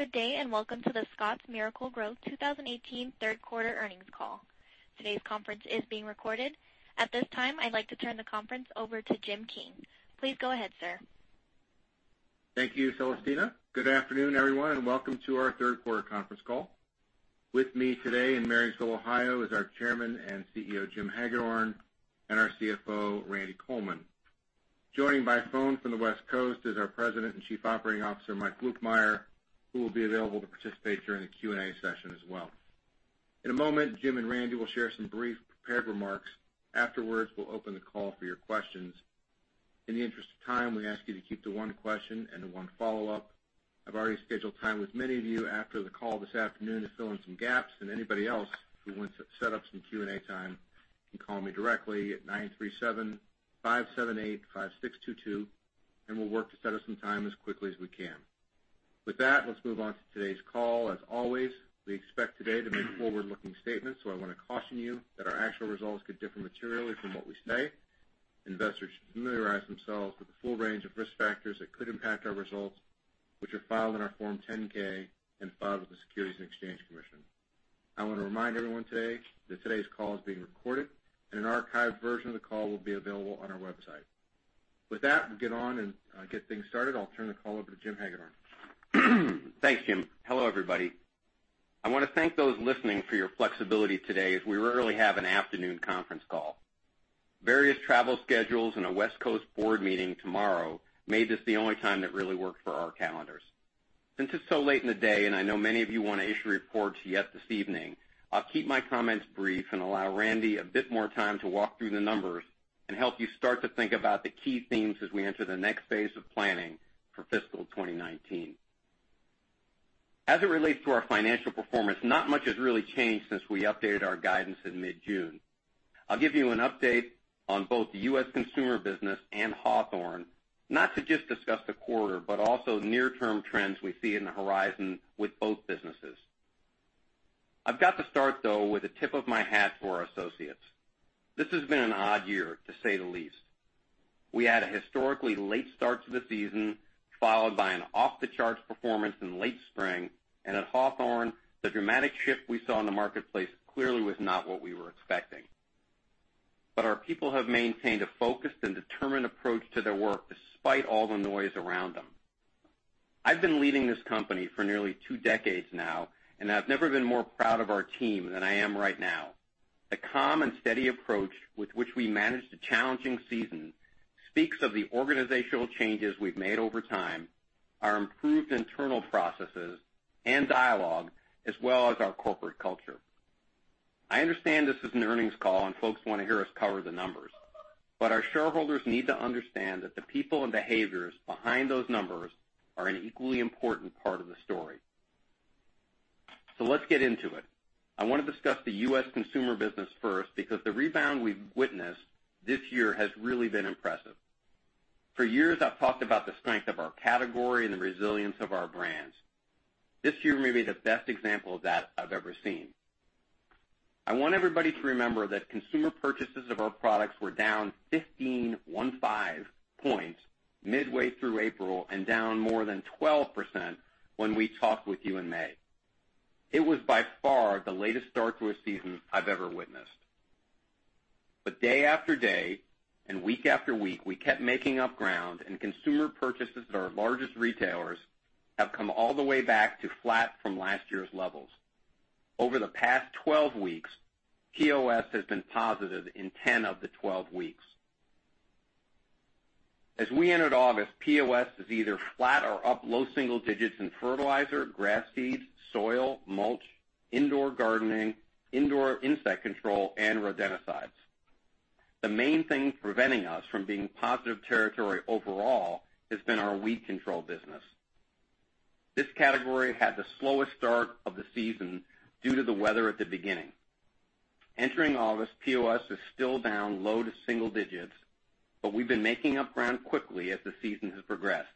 Good day, welcome to Scotts Miracle-Gro 2018 third quarter earnings call. Today's conference is being recorded. At this time, I'd like to turn the conference over to Jim King. Please go ahead, sir. Thank you, Celestina. Good afternoon, everyone, welcome to our third quarter conference call. With me today in Marysville, Ohio is our Chairman and CEO, Jim Hagedorn, and our CFO, Randy Coleman. Joining by phone from the West Coast is our President and Chief Operating Officer, Mike Lukemire, who will be available to participate during the Q&A session as well. In a moment, Jim and Randy will share some brief prepared remarks. Afterwards, we'll open the call for your questions. In the interest of time, we ask you to keep to one question and to one follow-up. I've already scheduled time with many of you after the call this afternoon to fill in some gaps. Anybody else who wants to set up some Q&A time can call me directly at 937-578-5622. We'll work to set up some time as quickly as we can. With that, let's move on to today's call. As always, we expect today to make forward-looking statements. I want to caution you that our actual results could differ materially from what we say. Investors should familiarize themselves with the full range of risk factors that could impact our results, which are filed in our Form 10-K and filed with the Securities and Exchange Commission. I want to remind everyone today that today's call is being recorded. An archived version of the call will be available on our website. With that, we'll get on, get things started. I'll turn the call over to Jim Hagedorn. Thanks, Jim. Hello, everybody. I want to thank those listening for your flexibility today, as we rarely have an afternoon conference call. Various travel schedules and a West Coast board meeting tomorrow made this the only time that really worked for our calendars. Since it is so late in the day, I know many of you want to issue reports yet this evening, I will keep my comments brief and allow Randy a bit more time to walk through the numbers and help you start to think about the key themes as we enter the next phase of planning for fiscal 2019. As it relates to our financial performance, not much has really changed since we updated our guidance in mid-June. I will give you an update on both the U.S. consumer business and Hawthorne, not to just discuss the quarter, but also near-term trends we see in the horizon with both businesses. I have got to start, though, with a tip of my hat for our associates. This has been an odd year, to say the least. We had a historically late start to the season, followed by an off-the-charts performance in late spring, and at Hawthorne, the dramatic shift we saw in the marketplace clearly was not what we were expecting. Our people have maintained a focused and determined approach to their work despite all the noise around them. I have been leading this company for nearly two decades now, and I have never been more proud of our team than I am right now. The calm and steady approach with which we managed a challenging season speaks of the organizational changes we have made over time, our improved internal processes and dialogue, as well as our corporate culture. I understand this is an earnings call and folks want to hear us cover the numbers, our shareholders need to understand that the people and behaviors behind those numbers are an equally important part of the story. Let us get into it. I want to discuss the U.S. consumer business first because the rebound we have witnessed this year has really been impressive. For years, I have talked about the strength of our category and the resilience of our brands. This year may be the best example of that I have ever seen. I want everybody to remember that consumer purchases of our products were down 15, one five, points midway through April and down more than 12% when we talked with you in May. It was by far the latest start to a season I have ever witnessed. Day after day and week after week, we kept making up ground and consumer purchases at our largest retailers have come all the way back to flat from last year's levels. Over the past 12 weeks, POS has been positive in 10 of the 12 weeks. As we entered August, POS is either flat or up low single digits in fertilizer, grass seeds, soil, mulch, indoor gardening, indoor insect control, and rodenticides. The main thing preventing us from being positive territory overall has been our weed control business. This category had the slowest start of the season due to the weather at the beginning. Entering August, POS is still down low to single digits, but we've been making up ground quickly as the season has progressed.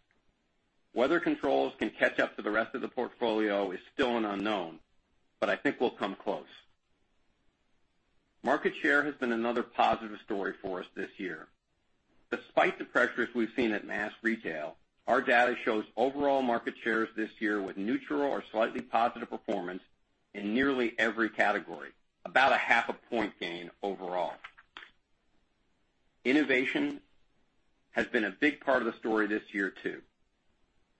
Whether controls can catch up to the rest of the portfolio is still an unknown, but I think we'll come close. Market share has been another positive story for us this year. Despite the pressures we've seen at mass retail, our data shows overall market shares this year with neutral or slightly positive performance in nearly every category, about a 0.5 point gain overall. Innovation has been a big part of the story this year, too.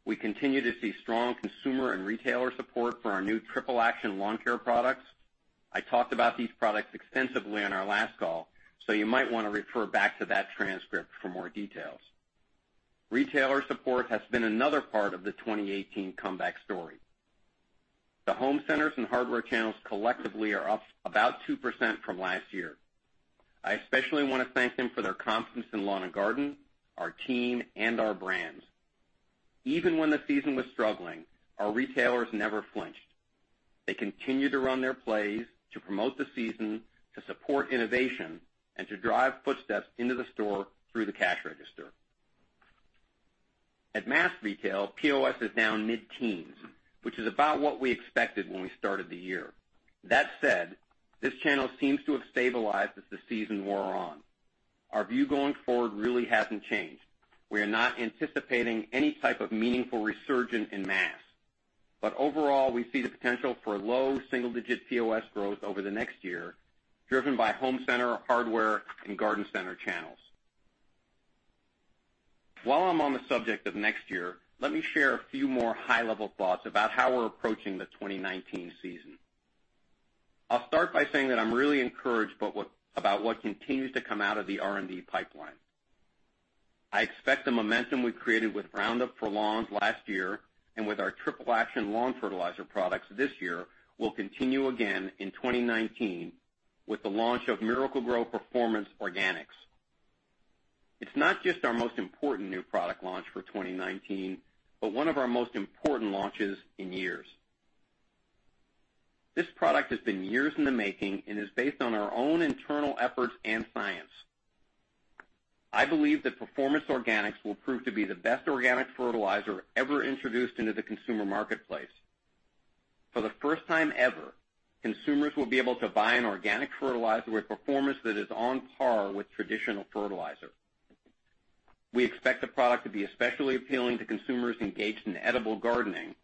We continue to see strong consumer and retailer support for our new triple-action lawn care products. I talked about these products extensively on our last call, so you might want to refer back to that transcript for more details. Retailer support has been another part of the 2018 comeback story. The home centers and hardware channels collectively are up about 2% from last year. I especially want to thank them for their confidence in Lawn & Garden, our team, and our brands. Even when the season was struggling, our retailers never flinched. They continued to run their plays to promote the season, to support innovation, and to drive footsteps into the store through the cash register. At mass retail, POS is down mid-teens, which is about what we expected when we started the year. That said, this channel seems to have stabilized as the season wore on. Our view going forward really hasn't changed. We are not anticipating any type of meaningful resurgence in mass. Overall, we see the potential for low single-digit POS growth over the next year, driven by home center, hardware, and garden center channels. While I'm on the subject of next year, let me share a few more high-level thoughts about how we're approaching the 2019 season. I'll start by saying that I'm really encouraged about what continues to come out of the R&D pipeline. I expect the momentum we created with Roundup For Lawns last year and with our triple-action lawn fertilizer products this year will continue again in 2019 with the launch of Miracle-Gro Performance Organics. It's not just our most important new product launch for 2019, but one of our most important launches in years. This product has been years in the making and is based on our own internal efforts and science. I believe that Performance Organics will prove to be the best organic fertilizer ever introduced into the consumer marketplace. For the first time ever, consumers will be able to buy an organic fertilizer with performance that is on par with traditional fertilizer. We expect the product to be especially appealing to consumers engaged in edible gardening,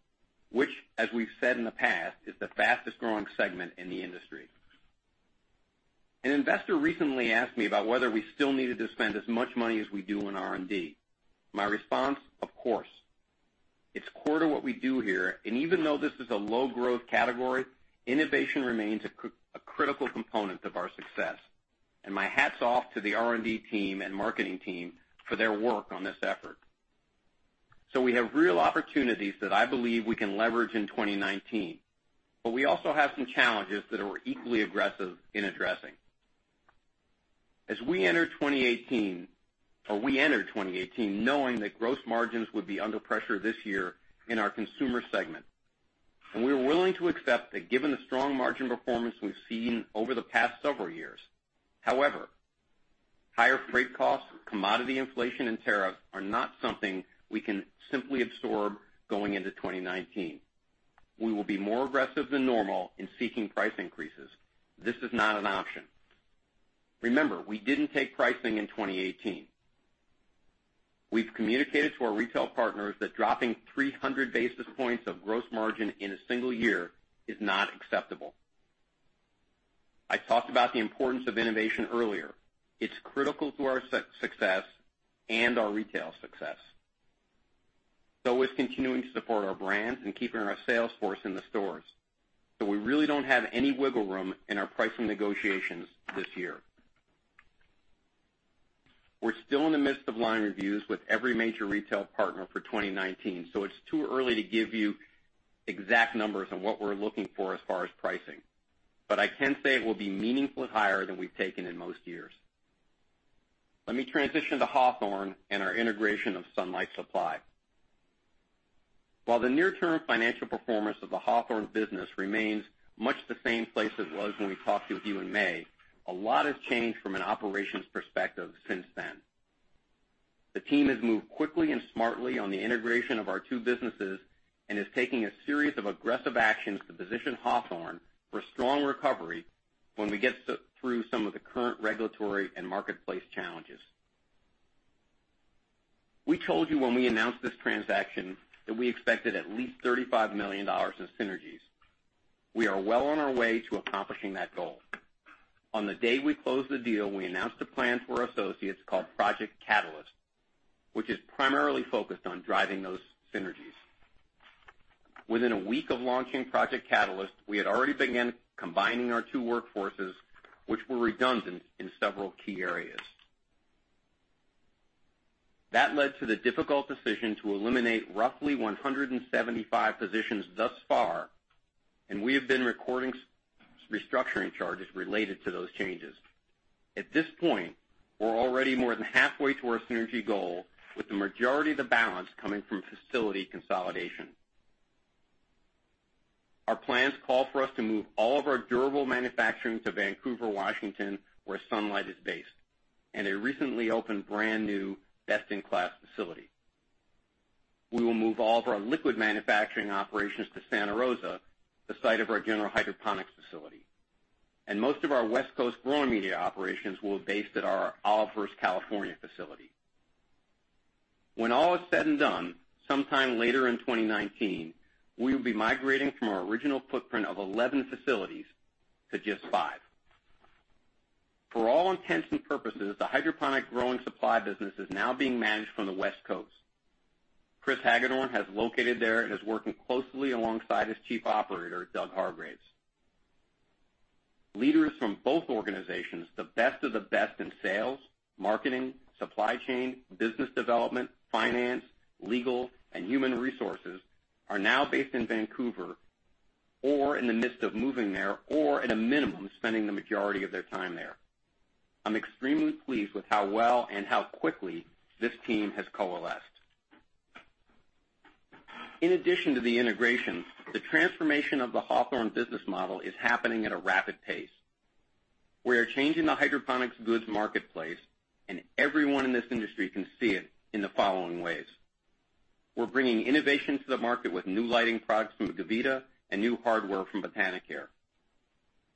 which, as we've said in the past, is the fastest-growing segment in the industry. An investor recently asked me about whether we still needed to spend as much money as we do on R&D. My response, "Of course." It's core to what we do here, and even though this is a low-growth category, innovation remains a critical component of our success. My hat's off to the R&D team and marketing team for their work on this effort. We have real opportunities that I believe we can leverage in 2019, but we also have some challenges that are equally aggressive in addressing. We entered 2018 knowing that gross margins would be under pressure this year in our consumer segment. We were willing to accept that given the strong margin performance we've seen over the past several years. However, higher freight costs, commodity inflation, and tariffs are not something we can simply absorb going into 2019. We will be more aggressive than normal in seeking price increases. This is not an option. Remember, we didn't take pricing in 2018. We've communicated to our retail partners that dropping 300 basis points of gross margin in a single year is not acceptable. I talked about the importance of innovation earlier. It's critical to our success and our retail success. Continuing to support our brands and keeping our sales force in the stores. We really don't have any wiggle room in our pricing negotiations this year. We're still in the midst of line reviews with every major retail partner for 2019. It's too early to give you exact numbers on what we're looking for as far as pricing. I can say it will be meaningfully higher than we've taken in most years. Let me transition to Hawthorne and our integration of Sunlight Supply. While the near-term financial performance of the Hawthorne business remains much the same place it was when we talked with you in May, a lot has changed from an operations perspective since then. The team has moved quickly and smartly on the integration of our two businesses and is taking a series of aggressive actions to position Hawthorne for a strong recovery when we get through some of the current regulatory and marketplace challenges. We told you when we announced this transaction that we expected at least $35 million in synergies. We are well on our way to accomplishing that goal. On the day we closed the deal, we announced a plan for our associates called Project Catalyst, which is primarily focused on driving those synergies. Within a week of launching Project Catalyst, we had already began combining our two workforces, which were redundant in several key areas. That led to the difficult decision to eliminate roughly 175 positions thus far. We have been recording restructuring charges related to those changes. At this point, we're already more than halfway to our synergy goal, with the majority of the balance coming from facility consolidation. Our plans call for us to move all of our durable manufacturing to Vancouver, Washington, where Sunlight is based, in a recently opened brand-new best-in-class facility. We will move all of our liquid manufacturing operations to Santa Rosa, the site of our General Hydroponics facility. Most of our West Coast growing media operations will be based at our Olivehurst, California facility. When all is said and done, sometime later in 2019, we will be migrating from our original footprint of 11 facilities to just five. For all intents and purposes, the hydroponic growing supply business is now being managed from the West Coast. Chris Hagedorn has located there and is working closely alongside his chief operator, Doug Hargreaves. Leaders from both organizations, the best of the best in sales, marketing, supply chain, business development, finance, legal, and human resources are now based in Vancouver or in the midst of moving there or at a minimum spending the majority of their time there. I'm extremely pleased with how well and how quickly this team has coalesced. In addition to the integration, the transformation of the Hawthorne business model is happening at a rapid pace. We are changing the hydroponics goods marketplace. Everyone in this industry can see it in the following ways. We're bringing innovation to the market with new lighting products from Gavita and new hardware from Botanicare.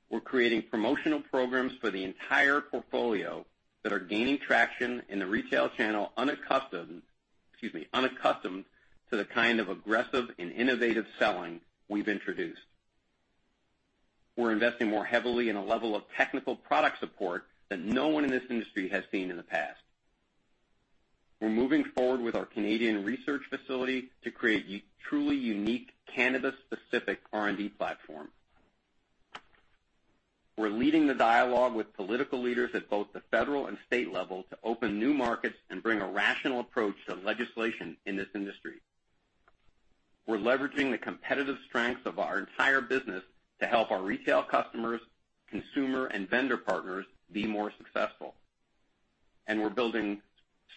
We're creating promotional programs for the entire portfolio that are gaining traction in the retail channel unaccustomed to the kind of aggressive and innovative selling we've introduced. We're investing more heavily in a level of technical product support that no one in this industry has seen in the past. We're moving forward with our Canadian research facility to create truly unique cannabis-specific R&D platform. We're leading the dialogue with political leaders at both the federal and state level to open new markets and bring a rational approach to legislation in this industry. We're leveraging the competitive strengths of our entire business to help our retail customers, consumer, and vendor partners be more successful. We're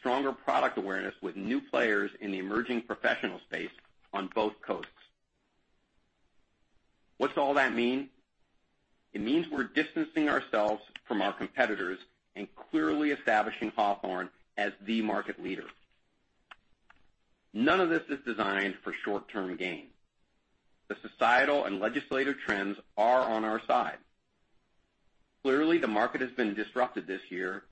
building stronger product awareness with new players in the emerging professional space on both coasts. What's all that mean? It means we're distancing ourselves from our competitors and clearly establishing Hawthorne as the market leader. None of this is designed for short-term gain. The societal and legislative trends are on our side. Clearly, the market has been disrupted this year,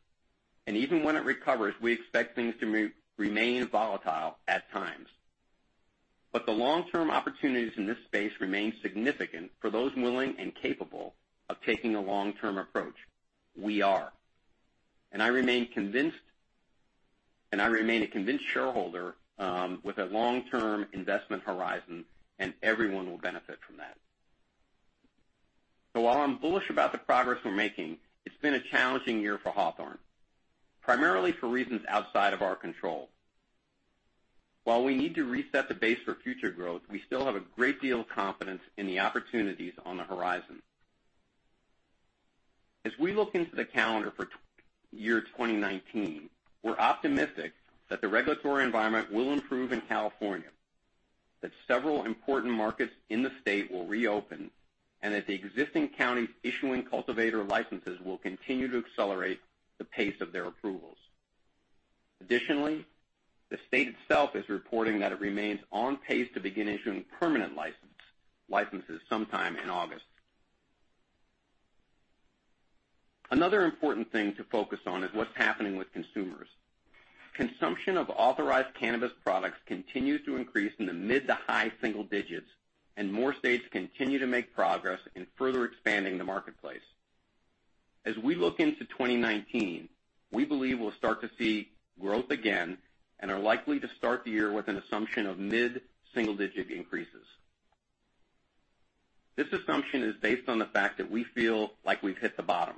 and even when it recovers, we expect things to remain volatile at times. The long-term opportunities in this space remain significant for those willing and capable of taking a long-term approach. We are. I remain a convinced shareholder with a long-term investment horizon, and everyone will benefit from that. While I'm bullish about the progress we're making, it's been a challenging year for Hawthorne, primarily for reasons outside of our control. While we need to reset the base for future growth, we still have a great deal of confidence in the opportunities on the horizon. As we look into the calendar for year 2019, we're optimistic that the regulatory environment will improve in California, that several important markets in the state will reopen, and that the existing counties issuing cultivator licenses will continue to accelerate the pace of their approvals. Additionally, the state itself is reporting that it remains on pace to begin issuing permanent licenses sometime in August. Another important thing to focus on is what's happening with consumers. Consumption of authorized cannabis products continues to increase in the mid to high single digits, and more states continue to make progress in further expanding the marketplace. As we look into 2019, we believe we'll start to see growth again and are likely to start the year with an assumption of mid-single-digit increases. This assumption is based on the fact that we feel like we've hit the bottom.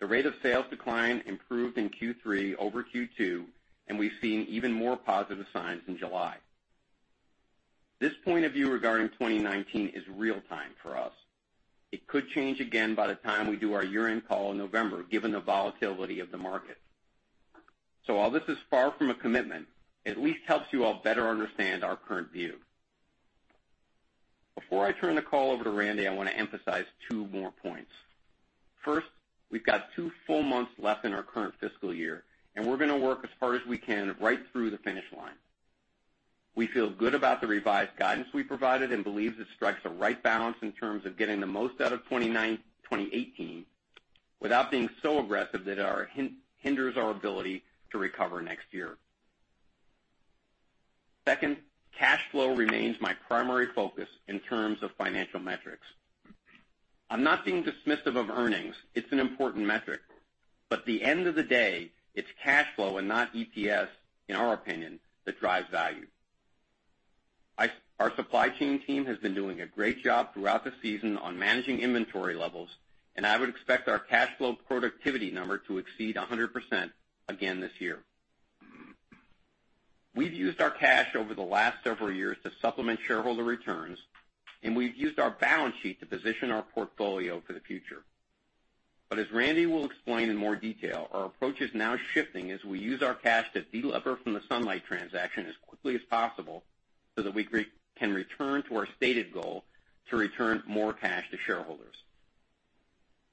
The rate of sales decline improved in Q3 over Q2, and we've seen even more positive signs in July. This point of view regarding 2019 is real-time for us. It could change again by the time we do our year-end call in November, given the volatility of the market. While this is far from a commitment, it at least helps you all better understand our current view. Before I turn the call over to Randy, I want to emphasize two more points. First, we've got two full months left in our current fiscal year, and we're going to work as hard as we can right through the finish line. We feel good about the revised guidance we provided and believe it strikes the right balance in terms of getting the most out of 2018 without being so aggressive that it hinders our ability to recover next year. Second, cash flow remains my primary focus in terms of financial metrics. I'm not being dismissive of earnings. It's an important metric, but at the end of the day, it's cash flow and not EPS, in our opinion, that drives value. Our supply chain team has been doing a great job throughout the season on managing inventory levels, and I would expect our cash flow productivity number to exceed 100% again this year. We've used our cash over the last several years to supplement shareholder returns, and we've used our balance sheet to position our portfolio for the future. As Randy will explain in more detail, our approach is now shifting as we use our cash to de-lever from the Sunlight transaction as quickly as possible so that we can return to our stated goal to return more cash to shareholders.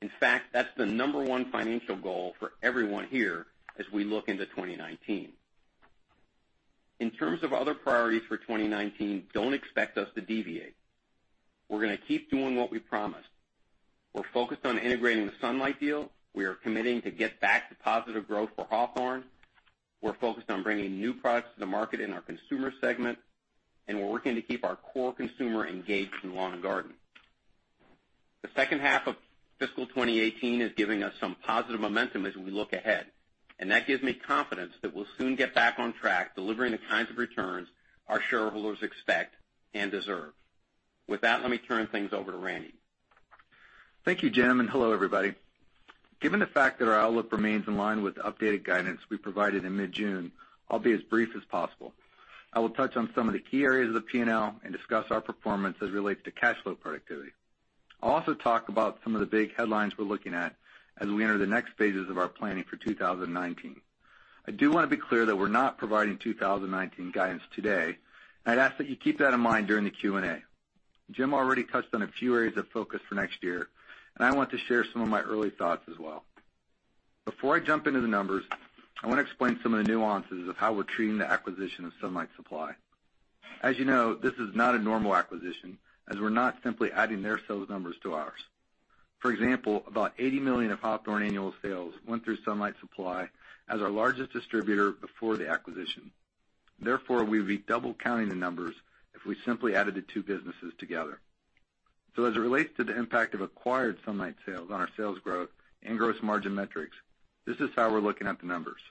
In fact, that's the number 1 financial goal for everyone here as we look into 2019. In terms of other priorities for 2019, don't expect us to deviate. We're going to keep doing what we promised. We're focused on integrating the Sunlight deal. We are committing to get back to positive growth for Hawthorne. We're focused on bringing new products to the market in our consumer segment, and we're working to keep our core consumer engaged in lawn and garden. The second half of fiscal 2018 is giving us some positive momentum as we look ahead, and that gives me confidence that we'll soon get back on track, delivering the kinds of returns our shareholders expect and deserve. With that, let me turn things over to Randy. Thank you, Jim, and hello, everybody. Given the fact that our outlook remains in line with the updated guidance we provided in mid-June, I'll be as brief as possible. I will touch on some of the key areas of the P&L and discuss our performance as it relates to cash flow productivity. I'll also talk about some of the big headlines we're looking at as we enter the next phases of our planning for 2019. I do want to be clear that we're not providing 2019 guidance today, and I'd ask that you keep that in mind during the Q&A. Jim already touched on a few areas of focus for next year, and I want to share some of my early thoughts as well. Before I jump into the numbers, I want to explain some of the nuances of how we're treating the acquisition of Sunlight Supply. As you know, this is not a normal acquisition, as we are not simply adding their sales numbers to ours. For example, about $80 million of Hawthorne annual sales went through Sunlight Supply as our largest distributor before the acquisition. Therefore, we would be double counting the numbers if we simply added the two businesses together. As it relates to the impact of acquired Sunlight sales on our sales growth and gross margin metrics, this is how we are looking at the numbers.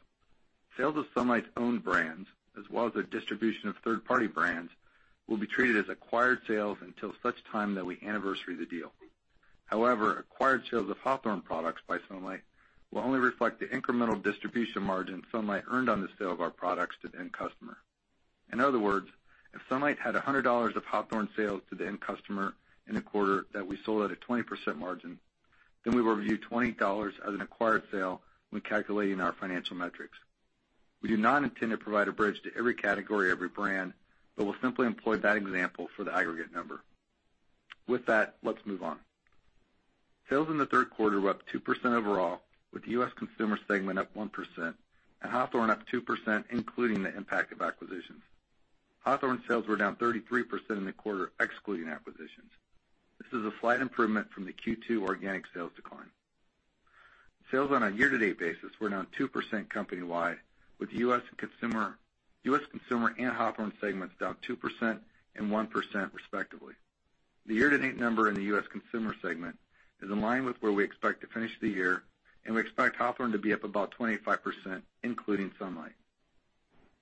Sales of Sunlight's own brands, as well as their distribution of third-party brands, will be treated as acquired sales until such time that we anniversary the deal. However, acquired sales of Hawthorne products by Sunlight will only reflect the incremental distribution margin Sunlight earned on the sale of our products to the end customer. In other words, if Sunlight had $100 of Hawthorne sales to the end customer in a quarter that we sold at a 20% margin, then we would view $20 as an acquired sale when calculating our financial metrics. We do not intend to provide a bridge to every category or every brand, but we will simply employ that example for the aggregate number. With that, let's move on. Sales in the third quarter were up 2% overall, with the U.S. Consumer segment up 1% and Hawthorne up 2%, including the impact of acquisitions. Hawthorne sales were down 33% in the quarter, excluding acquisitions. This is a slight improvement from the Q2 organic sales decline. Sales on a year-to-date basis were down 2% company-wide, with U.S. Consumer and Hawthorne segments down 2% and 1%, respectively. The year-to-date number in the U.S. Consumer segment is in line with where we expect to finish the year, and we expect Hawthorne to be up about 25%, including Sunlight.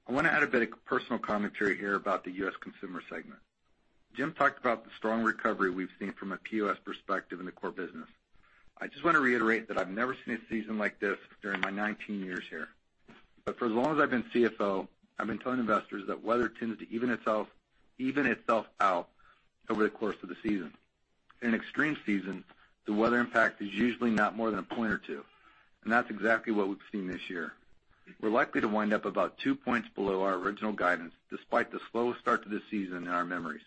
I want to add a bit of personal commentary here about the U.S. Consumer segment. Jim talked about the strong recovery we've seen from a POS perspective in the core business. I just want to reiterate that I've never seen a season like this during my 19 years here. For as long as I've been CFO, I've been telling investors that weather tends to even itself out over the course of the season. In an extreme season, the weather impact is usually not more than a point or two, and that's exactly what we've seen this year. We are likely to wind up about two points below our original guidance, despite the slowest start to the season in our memories.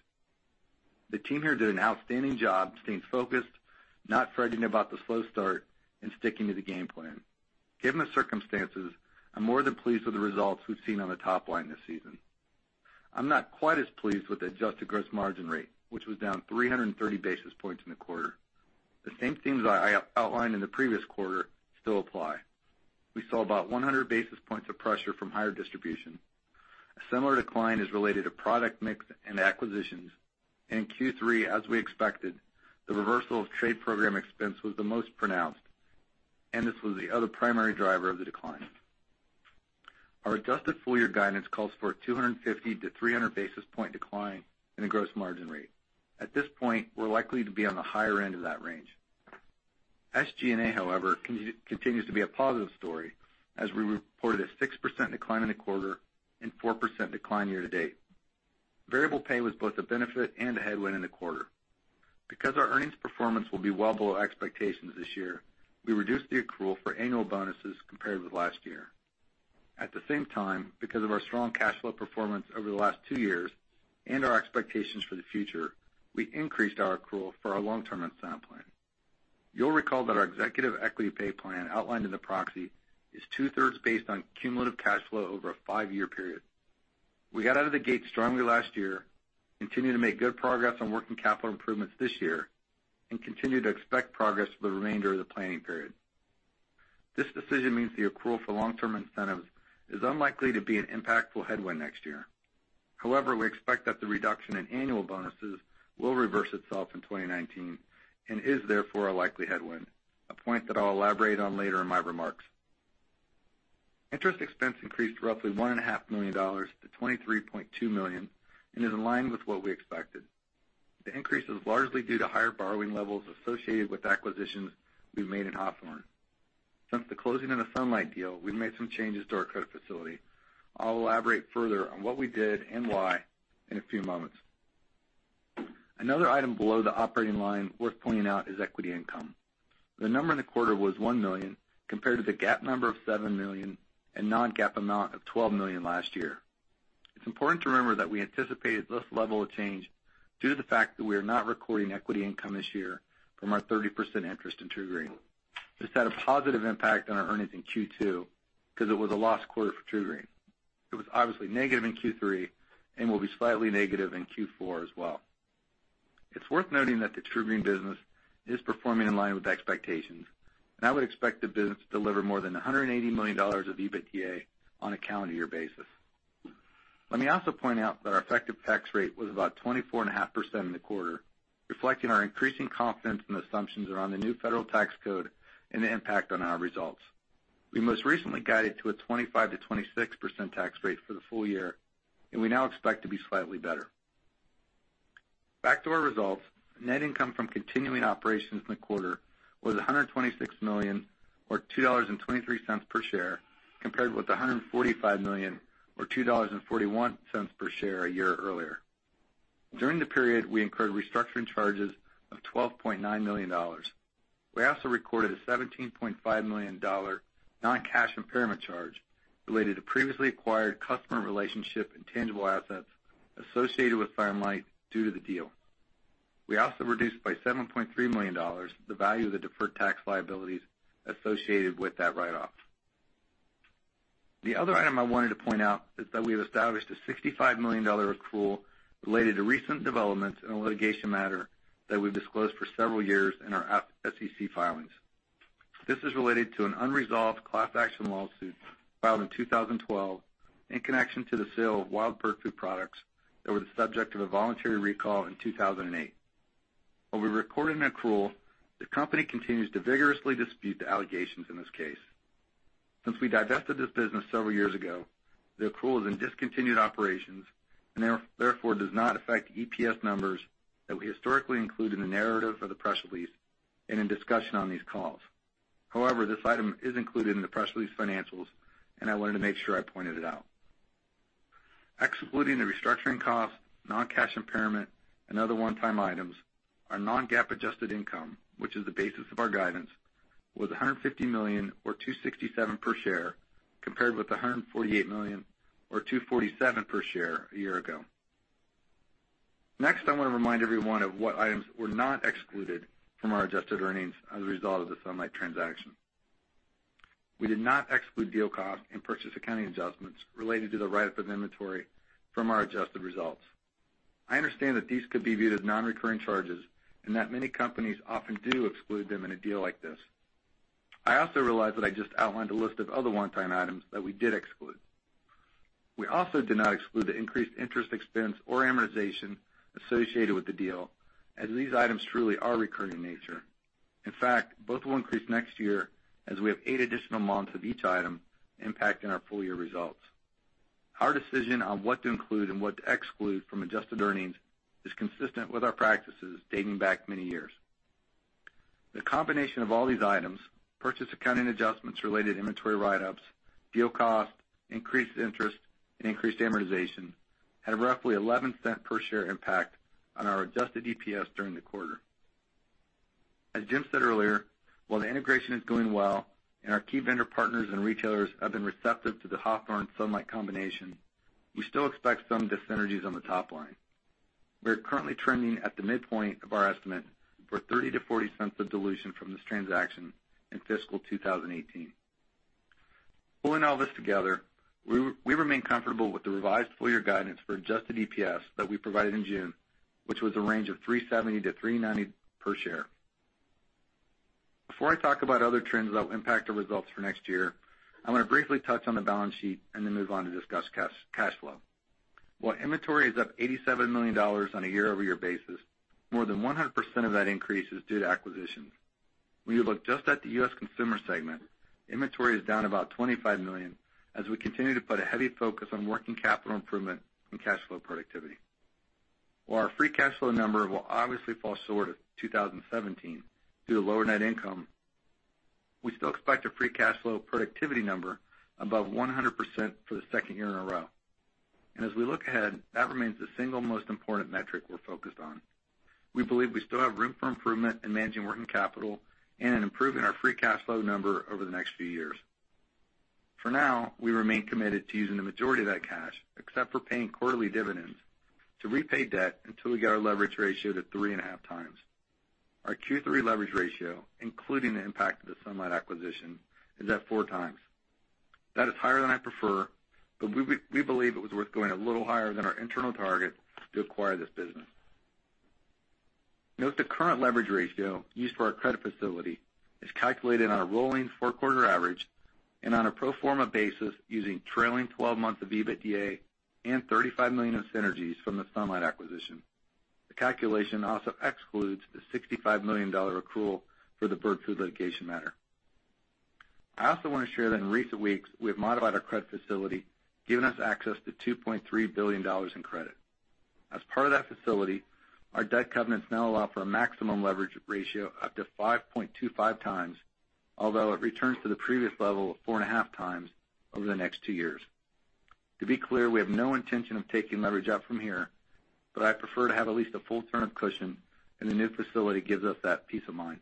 The team here did an outstanding job staying focused, not fretting about the slow start, and sticking to the game plan. Given the circumstances, I am more than pleased with the results we've seen on the top line this season. I am not quite as pleased with the adjusted gross margin rate, which was down 330 basis points in the quarter. The same themes I outlined in the previous quarter still apply. We saw about 100 basis points of pressure from higher distribution. A similar decline is related to product mix and acquisitions. In Q3, as we expected, the reversal of trade program expense was the most pronounced, and this was the other primary driver of the decline. Our adjusted full-year guidance calls for a 250 to 300 basis point decline in the gross margin rate. At this point, we are likely to be on the higher end of that range. SG&A, however, continues to be a positive story, as we reported a 6% decline in the quarter and 4% decline year to date. Variable pay was both a benefit and a headwind in the quarter. Because our earnings performance will be well below expectations this year, we reduced the accrual for annual bonuses compared with last year. At the same time, because of our strong cash flow performance over the last two years and our expectations for the future, we increased our accrual for our long-term incentive plan. You'll recall that our executive equity pay plan outlined in the proxy is two-thirds based on cumulative cash flow over a five-year period. We got out of the gate strongly last year, continue to make good progress on working capital improvements this year, and continue to expect progress for the remainder of the planning period. This decision means the accrual for long-term incentives is unlikely to be an impactful headwind next year. We expect that the reduction in annual bonuses will reverse itself in 2019 and is therefore a likely headwind, a point that I'll elaborate on later in my remarks. Interest expense increased roughly $1.5 million to $23.2 million and is in line with what we expected. The increase is largely due to higher borrowing levels associated with acquisitions we've made in Hawthorne. Since the closing of the Sunlight deal, we've made some changes to our credit facility. I'll elaborate further on what we did and why in a few moments. Another item below the operating line worth pointing out is equity income. The number in the quarter was $1 million, compared to the GAAP number of $7 million and non-GAAP amount of $12 million last year. It's important to remember that we anticipated this level of change due to the fact that we are not recording equity income this year from our 30% interest in TruGreen. This had a positive impact on our earnings in Q2 because it was a loss quarter for TruGreen. It was obviously negative in Q3 and will be slightly negative in Q4 as well. It's worth noting that the TruGreen business is performing in line with expectations, and I would expect the business to deliver more than $180 million of EBITDA on a calendar year basis. Let me also point out that our effective tax rate was about 24.5% in the quarter, reflecting our increasing confidence in the assumptions around the new federal tax code and the impact on our results. We most recently guided to a 25%-26% tax rate for the full year. We now expect to be slightly better. Back to our results. Net income from continuing operations in the quarter was $126 million, or $2.23 per share, compared with $145 million, or $2.41 per share, a year earlier. During the period, we incurred restructuring charges of $12.9 million. We also recorded a $17.5 million non-cash impairment charge related to previously acquired customer relationship intangible asset associated with Sunlight due to the deal. We also reduced by $7.3 million the value of the deferred tax liabilities associated with that write-off. The other item I wanted to point out is that we have established a $65 million accrual related to recent developments in a litigation matter that we've disclosed for several years in our SEC filings. This is related to an unresolved class action lawsuit filed in 2012 in connection to the sale of wild bird food products that were the subject of a voluntary recall in 2008. While we recorded an accrual, the company continues to vigorously dispute the allegations in this case. Since we divested this business several years ago, the accrual is in discontinued operations and therefore does not affect EPS numbers that we historically include in the narrative of the press release and in discussion on these calls. However, this item is included in the press release financials, and I wanted to make sure I pointed it out. Excluding the restructuring cost, non-cash impairment, and other one-time items, our non-GAAP adjusted income, which is the basis of our guidance, was $150 million or $2.67 per share, compared with $148 million or $2.47 per share a year ago. Next, I want to remind everyone of what items were not excluded from our adjusted earnings as a result of the Sunlight transaction. We did not exclude deal cost and purchase accounting adjustments related to the write-up of inventory from our adjusted results. I understand that these could be viewed as non-recurring charges and that many companies often do exclude them in a deal like this. I also realize that I just outlined a list of other one-time items that we did exclude. We also did not exclude the increased interest expense or amortization associated with the deal, as these items truly are recurring in nature. In fact, both will increase next year as we have eight additional months of each item impacting our full-year results. Our decision on what to include and what to exclude from adjusted earnings is consistent with our practices dating back many years. The combination of all these items, purchase accounting adjustments related inventory write-ups, deal cost, increased interest, and increased amortization, had a roughly $0.11 per share impact on our adjusted EPS during the quarter. As Jim said earlier, while the integration is going well and our key vendor partners and retailers have been receptive to the Hawthorne-Sunlight combination, we still expect some dyssynergies on the top line. We are currently trending at the midpoint of our estimate for $0.30 to $0.40 of dilution from this transaction in fiscal 2018. Pulling all this together, we remain comfortable with the revised full year guidance for adjusted EPS that we provided in June, which was a range of $3.70-$3.90 per share. Before I talk about other trends that will impact our results for next year, I want to briefly touch on the balance sheet and then move on to discuss cash flow. While inventory is up $87 million on a year-over-year basis, more than 100% of that increase is due to acquisitions. When you look just at the U.S. consumer segment, inventory is down about $25 million as we continue to put a heavy focus on working capital improvement and cash flow productivity. While our free cash flow number will obviously fall short of 2017 due to lower net income, we still expect a free cash flow productivity number above 100% for the second year in a row. As we look ahead, that remains the single most important metric we're focused on. We believe we still have room for improvement in managing working capital and in improving our free cash flow number over the next few years. For now, we remain committed to using the majority of that cash, except for paying quarterly dividends to repay debt until we get our leverage ratio to 3.5 times. Our Q3 leverage ratio, including the impact of the Sunlight acquisition, is at 4 times. That is higher than I prefer, but we believe it was worth going a little higher than our internal target to acquire this business. Note the current leverage ratio used for our credit facility is calculated on a rolling four-quarter average and on a pro forma basis using trailing 12 months of EBITDA and $35 million of synergies from the Sunlight acquisition. The calculation also excludes the $65 million accrual for the bird food litigation matter. I also want to share that in recent weeks, we have modified our credit facility, giving us access to $2.3 billion in credit. As part of that facility, our debt covenants now allow for a maximum leverage ratio up to 5.25 times. Although it returns to the previous level of 4.5 times over the next 2 years. To be clear, we have no intention of taking leverage up from here, but I prefer to have at least a full turn of cushion, and the new facility gives us that peace of mind.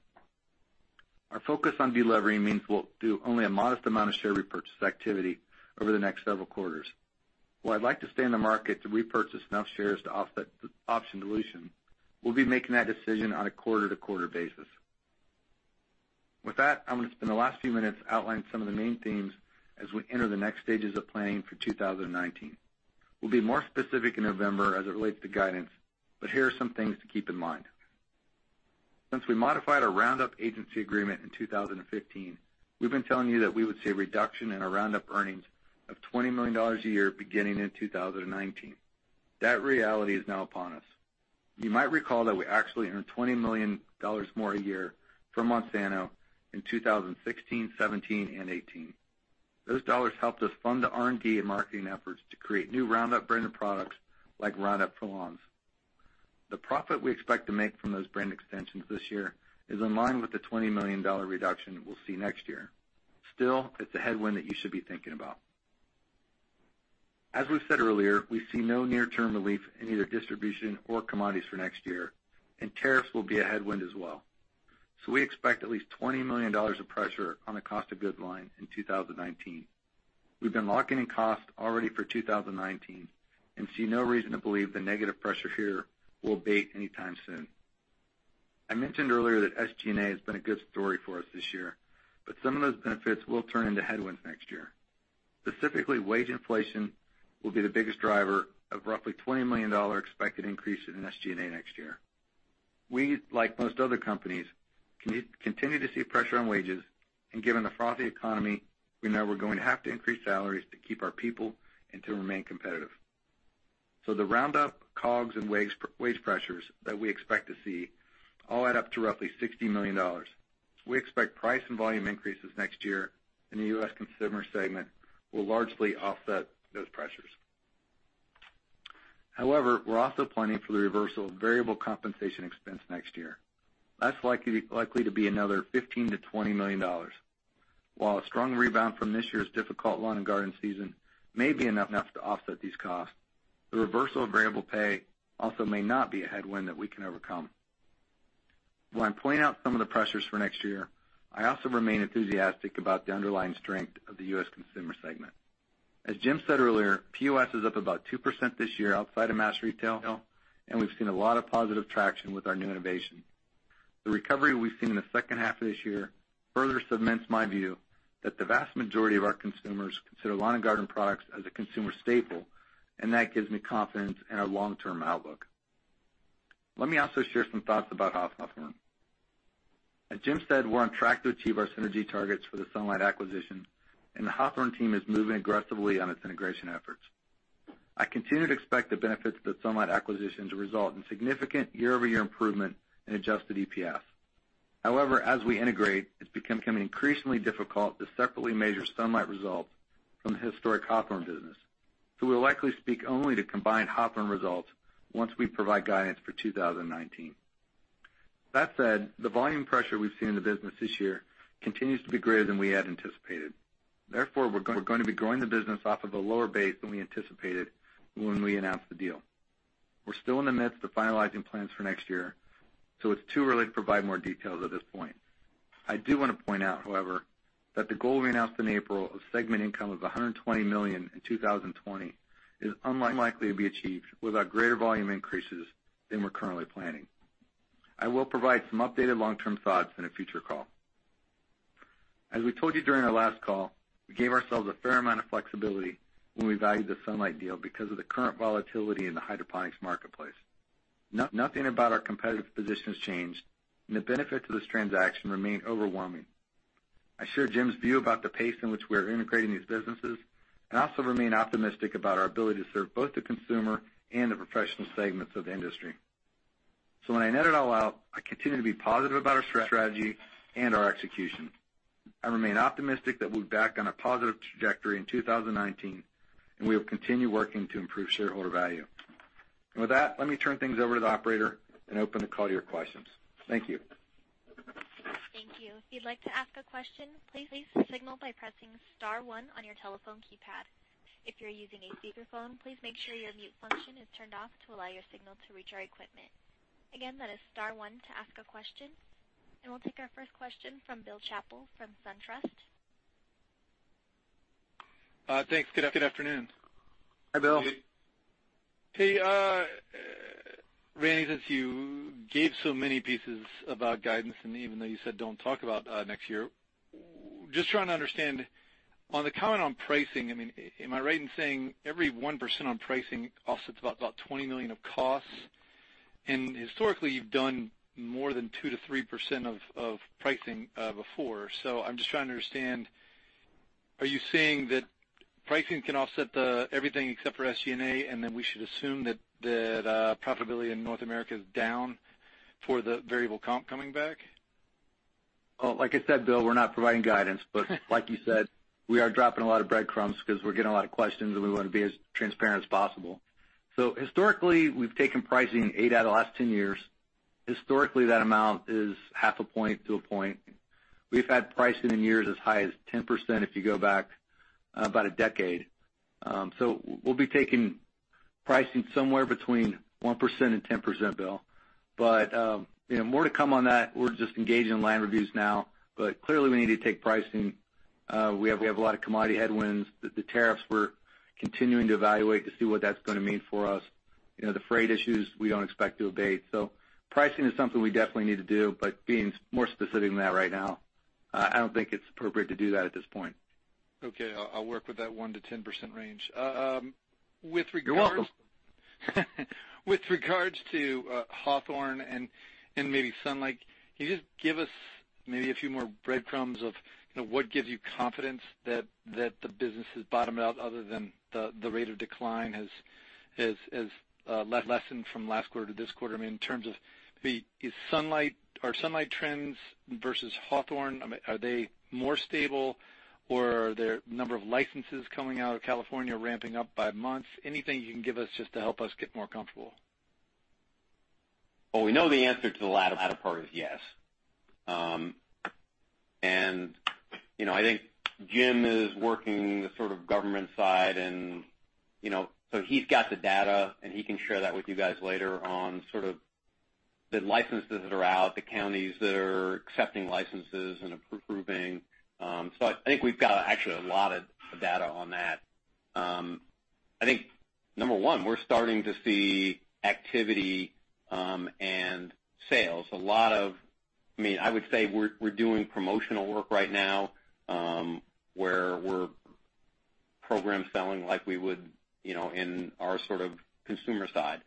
Our focus on delevering means we will do only a modest amount of share repurchase activity over the next several quarters. While I would like to stay in the market to repurchase enough shares to offset option dilution, we will be making that decision on a quarter-to-quarter basis. With that, I want to spend the last few minutes outlining some of the main themes as we enter the next stages of planning for 2019. We will be more specific in November as it relates to guidance, but here are some things to keep in mind. Since we modified our Roundup agency agreement in 2015, we have been telling you that we would see a reduction in our Roundup earnings of $20 million a year beginning in 2019. That reality is now upon us. You might recall that we actually earned $20 million more a year from Monsanto in 2016, 2017, and 2018. Those dollars helped us fund the R&D and marketing efforts to create new Roundup branded products like Roundup Extended Control. The profit we expect to make from those brand extensions this year is in line with the $20 million reduction we will see next year. Still, it is a headwind that you should be thinking about. As we have said earlier, we see no near-term relief in either distribution or commodities for next year, and tariffs will be a headwind as well. So we expect at least $20 million of pressure on the COGS line in 2019. We have been locking in costs already for 2019 and see no reason to believe the negative pressure here will abate anytime soon. I mentioned earlier that SG&A has been a good story for us this year, but some of those benefits will turn into headwinds next year. Specifically, wage inflation will be the biggest driver of roughly $20 million expected increase in SG&A next year. We, like most other companies, continue to see pressure on wages, and given the frothy economy, we know we are going to have to increase salaries to keep our people and to remain competitive. The Roundup COGS and wage pressures that we expect to see all add up to roughly $60 million. We expect price and volume increases next year in the U.S. consumer segment will largely offset those pressures. However, we're also planning for the reversal of variable compensation expense next year. That's likely to be another $15 million-$20 million. While a strong rebound from this year's difficult lawn and garden season may be enough to offset these costs, the reversal of variable pay also may not be a headwind that we can overcome. While I'm pointing out some of the pressures for next year, I also remain enthusiastic about the underlying strength of the U.S. consumer segment. As Jim said earlier, POS is up about 2% this year outside of mass retail, and we've seen a lot of positive traction with our new innovation. The recovery we've seen in the second half of this year further cements my view that the vast majority of our consumers consider lawn and garden products as a consumer staple, and that gives me confidence in our long-term outlook. Let me also share some thoughts about Hawthorne. As Jim said, we're on track to achieve our synergy targets for the Sunlight acquisition, and the Hawthorne team is moving aggressively on its integration efforts. I continue to expect the benefits of the Sunlight acquisition to result in significant year-over-year improvement in adjusted EPS. However, as we integrate, it's becoming increasingly difficult to separately measure Sunlight results from the historic Hawthorne business. We'll likely speak only to combined Hawthorne results once we provide guidance for 2019. That said, the volume pressure we've seen in the business this year continues to be greater than we had anticipated. Therefore, we're going to be growing the business off of a lower base than we anticipated when we announced the deal. We're still in the midst of finalizing plans for next year, it's too early to provide more details at this point. I do want to point out, however, that the goal we announced in April of segment income of $120 million in 2020 is unlikely to be achieved without greater volume increases than we're currently planning. I will provide some updated long-term thoughts in a future call. As we told you during our last call, we gave ourselves a fair amount of flexibility when we valued the Sunlight deal because of the current volatility in the hydroponics marketplace. Nothing about our competitive position has changed, and the benefits of this transaction remain overwhelming. I share Jim's view about the pace in which we are integrating these businesses and also remain optimistic about our ability to serve both the consumer and the professional segments of the industry. When I net it all out, I continue to be positive about our strategy and our execution. I remain optimistic that we'll be back on a positive trajectory in 2019, and we will continue working to improve shareholder value. With that, let me turn things over to the operator and open the call to your questions. Thank you. Thank you. If you'd like to ask a question, please signal by pressing *1 on your telephone keypad. If you're using a speakerphone, please make sure your mute function is turned off to allow your signal to reach our equipment. Again, that is *1 to ask a question, and we'll take our first question from Bill Chappell from SunTrust. Thanks. Good afternoon. Hi, Bill. Hey, Randy, since you gave so many pieces about guidance, and even though you said don't talk about next year, just trying to understand on the comment on pricing, am I right in saying every 1% on pricing offsets about $20 million of costs? Historically, you've done more than 2%-3% of pricing before. I'm just trying to understand, are you saying that pricing can offset everything except for SG&A, and then we should assume that profitability in North America is down for the variable comp coming back? Like I said, Bill, we're not providing guidance. Like you said, we are dropping a lot of breadcrumbs because we're getting a lot of questions, and we want to be as transparent as possible. Historically, we've taken pricing eight out of the last 10 years. Historically, that amount is half a point to a point. We've had pricing in years as high as 10% if you go back about a decade. We'll be taking pricing somewhere between 1% and 10%, Bill. More to come on that. We're just engaging in line reviews now, but clearly we need to take pricing. We have a lot of commodity headwinds. The tariffs, we're continuing to evaluate to see what that's going to mean for us. The freight issues we don't expect to abate. Pricing is something we definitely need to do, but being more specific than that right now, I don't think it's appropriate to do that at this point. Okay. I'll work with that 1%-10% range. You're welcome. With regards to Hawthorne and maybe Sunlight, can you just give us maybe a few more breadcrumbs of what gives you confidence that the business has bottomed out other than the rate of decline has lessened from last quarter to this quarter? Are Sunlight trends versus Hawthorne, are they more stable or are there number of licenses coming out of California ramping up by months? Anything you can give us just to help us get more comfortable? Well, we know the answer to the latter part is yes. I think Jim is working the government side. He's got the data, and he can share that with you guys later on the licenses that are out, the counties that are accepting licenses and approving. I think we've got actually a lot of data on that. I think, number 1, we're starting to see activity and sales. I would say we're doing promotional work right now, where we're program selling like we would in our consumer side,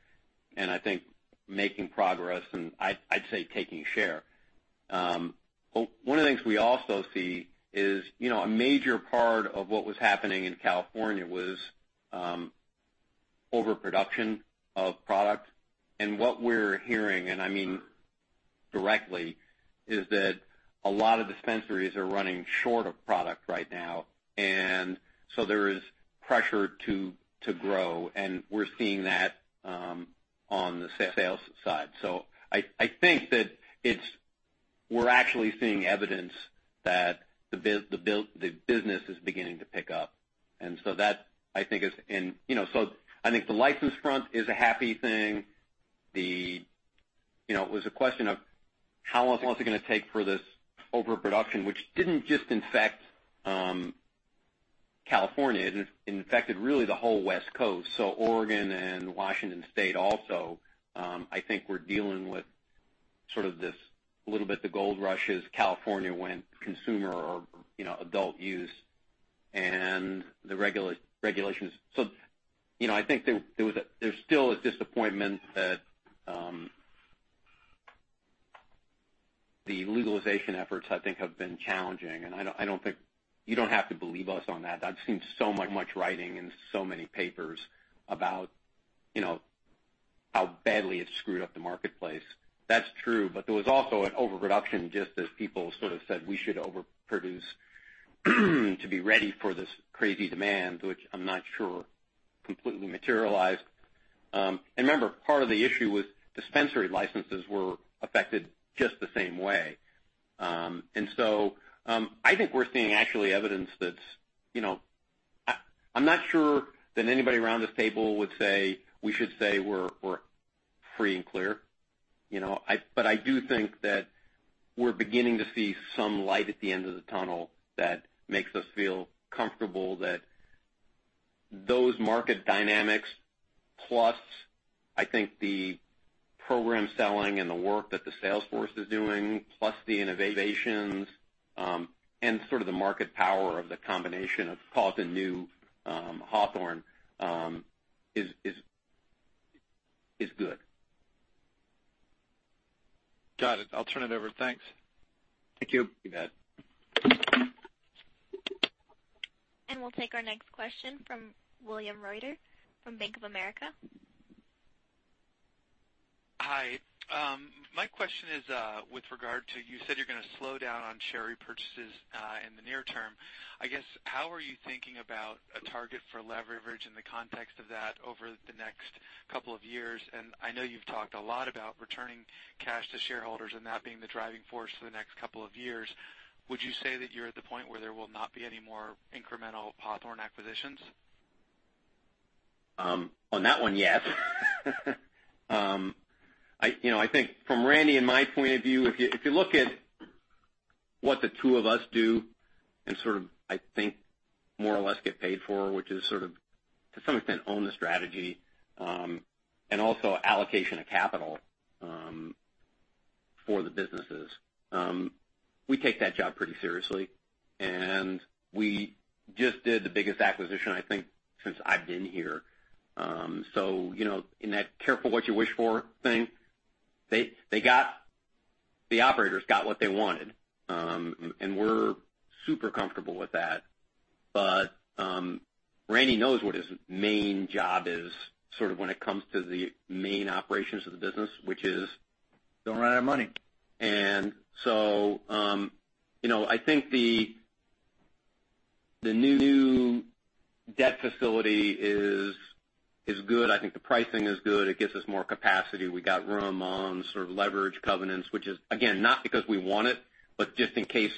and I think making progress, and I'd say taking share. One of the things we also see is a major part of what was happening in California was overproduction of product. What we're hearing, and I mean directly, is that a lot of dispensaries are running short of product right now. There is pressure to grow, and we're seeing that on the sales side. I think that we're actually seeing evidence that the business is beginning to pick up. I think the license front is a happy thing. It was a question of how long is it going to take for this overproduction, which didn't just infect California. It infected really the whole West Coast. Oregon and Washington State also, I think, were dealing with sort of this little bit of the gold rush as California went consumer or adult use and the regulations. I think there's still a disappointment that the legalization efforts, I think, have been challenging, and you don't have to believe us on that. I've seen so much writing and so many papers about how badly it screwed up the marketplace. That's true. There was also an overproduction just as people said we should overproduce to be ready for this crazy demand, which I'm not sure completely materialized. Remember, part of the issue was dispensary licenses were affected just the same way. I think we're seeing actually evidence that's I'm not sure that anybody around this table would say, we should say we're free and clear. I do think that we're beginning to see some light at the end of the tunnel that makes us feel comfortable that those market dynamics, plus, I think the program selling and the work that the sales force is doing, plus the innovations, and the market power of the combination of Gavita, General Hydroponics, Hawthorne, is good. Got it. I'll turn it over. Thanks. Thank you. You bet. We'll take our next question from William Reuter from Bank of America. Hi. My question is with regard to, you said you're going to slow down on share repurchases in the near term. I guess, how are you thinking about a target for leverage in the context of that over the next couple of years? I know you've talked a lot about returning cash to shareholders and that being the driving force for the next couple of years. Would you say that you're at the point where there will not be any more incremental Hawthorne acquisitions? On that one, yes. I think from Randy and my point of view, if you look at what the two of us do and I think more or less get paid for, which is to some extent own the strategy, and also allocation of capital for the businesses. We take that job pretty seriously. We just did the biggest acquisition, I think, since I've been here. In that careful what you wish for thing, the operators got what they wanted, and we're super comfortable with that. Randy knows what his main job is when it comes to the main operations of the business, which is- Don't run out of money I think the new debt facility is good. I think the pricing is good. It gives us more capacity. We got room on leverage covenants, which is, again, not because we want it, but just in case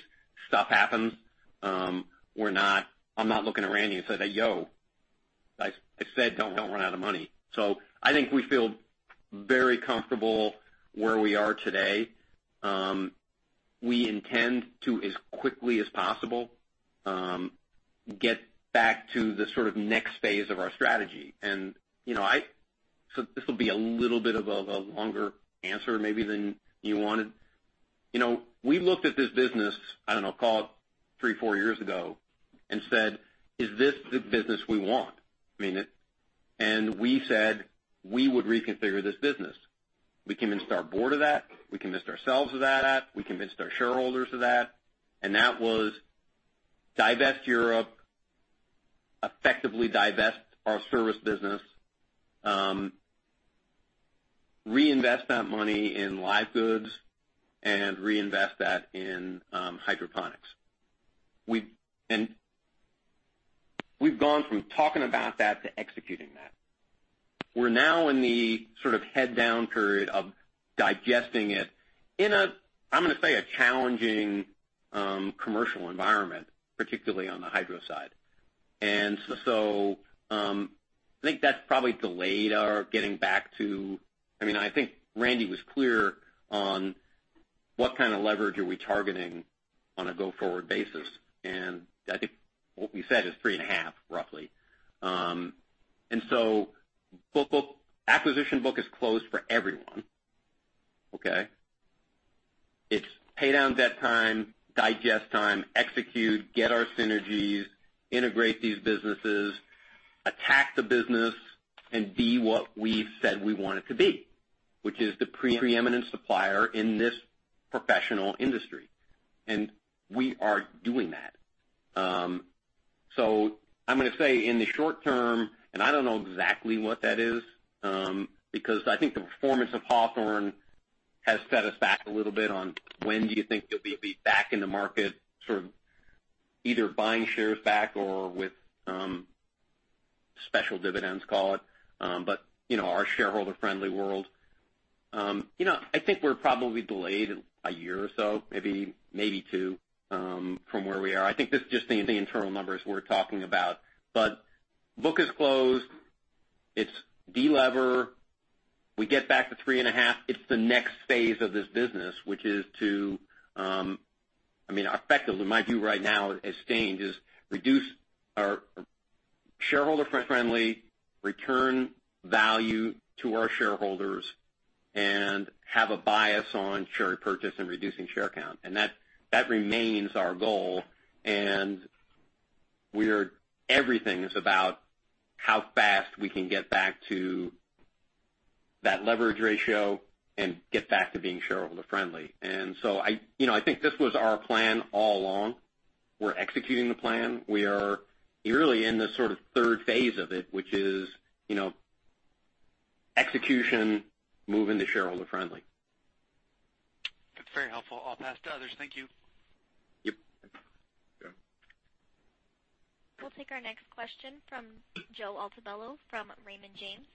stuff happens. I'm not looking at Randy and say, "Yo." I said, "Don't run out of money." I think we feel very comfortable where we are today. We intend to, as quickly as possible, get back to the next phase of our strategy. This will be a little bit of a longer answer maybe than you wanted. We looked at this business, I don't know, call it three, four years ago and said, "Is this the business we want?" We said we would reconfigure this business. We convinced our board of that. We convinced ourselves of that. We convinced our shareholders of that. That was divest Europe, effectively divest our service business, reinvest that money in live goods, and reinvest that in hydroponics. We've gone from talking about that to executing that. We're now in the sort of head down period of digesting it in a, I'm going to say, a challenging commercial environment, particularly on the hydro side. I think that's probably delayed our getting back to I think Randy was clear on what kind of leverage are we targeting on a go-forward basis. I think what we said is 3.5, roughly. Acquisition book is closed for everyone. Okay? It's pay down debt time, digest time, execute, get our synergies, integrate these businesses, attack the business, and be what we said we want it to be, which is the preeminent supplier in this professional industry. We are doing that. I'm going to say in the short term, and I don't know exactly what that is, because I think the performance of Hawthorne has set us back a little bit on when do you think you'll be back in the market, sort of either buying shares back or with special dividends, call it. Our shareholder-friendly world. I think we're probably delayed a year or so, maybe two, from where we are. I think this is just the internal numbers we're talking about. Book is closed. It's de-lever. We get back to 3.5. It's the next phase of this business, which is to Effectively, my view right now has changed, is reduce our shareholder friendly, return value to our shareholders, and have a bias on share repurchase and reducing share count. That remains our goal. Everything is about how fast we can get back to that leverage ratio and get back to being shareholder friendly. I think this was our plan all along. We're executing the plan. We are really in the sort of third phase of it, which is execution, moving to shareholder friendly. That's very helpful. I'll pass to others. Thank you. Yep. We'll take our next question from Joe Altobello from Raymond James.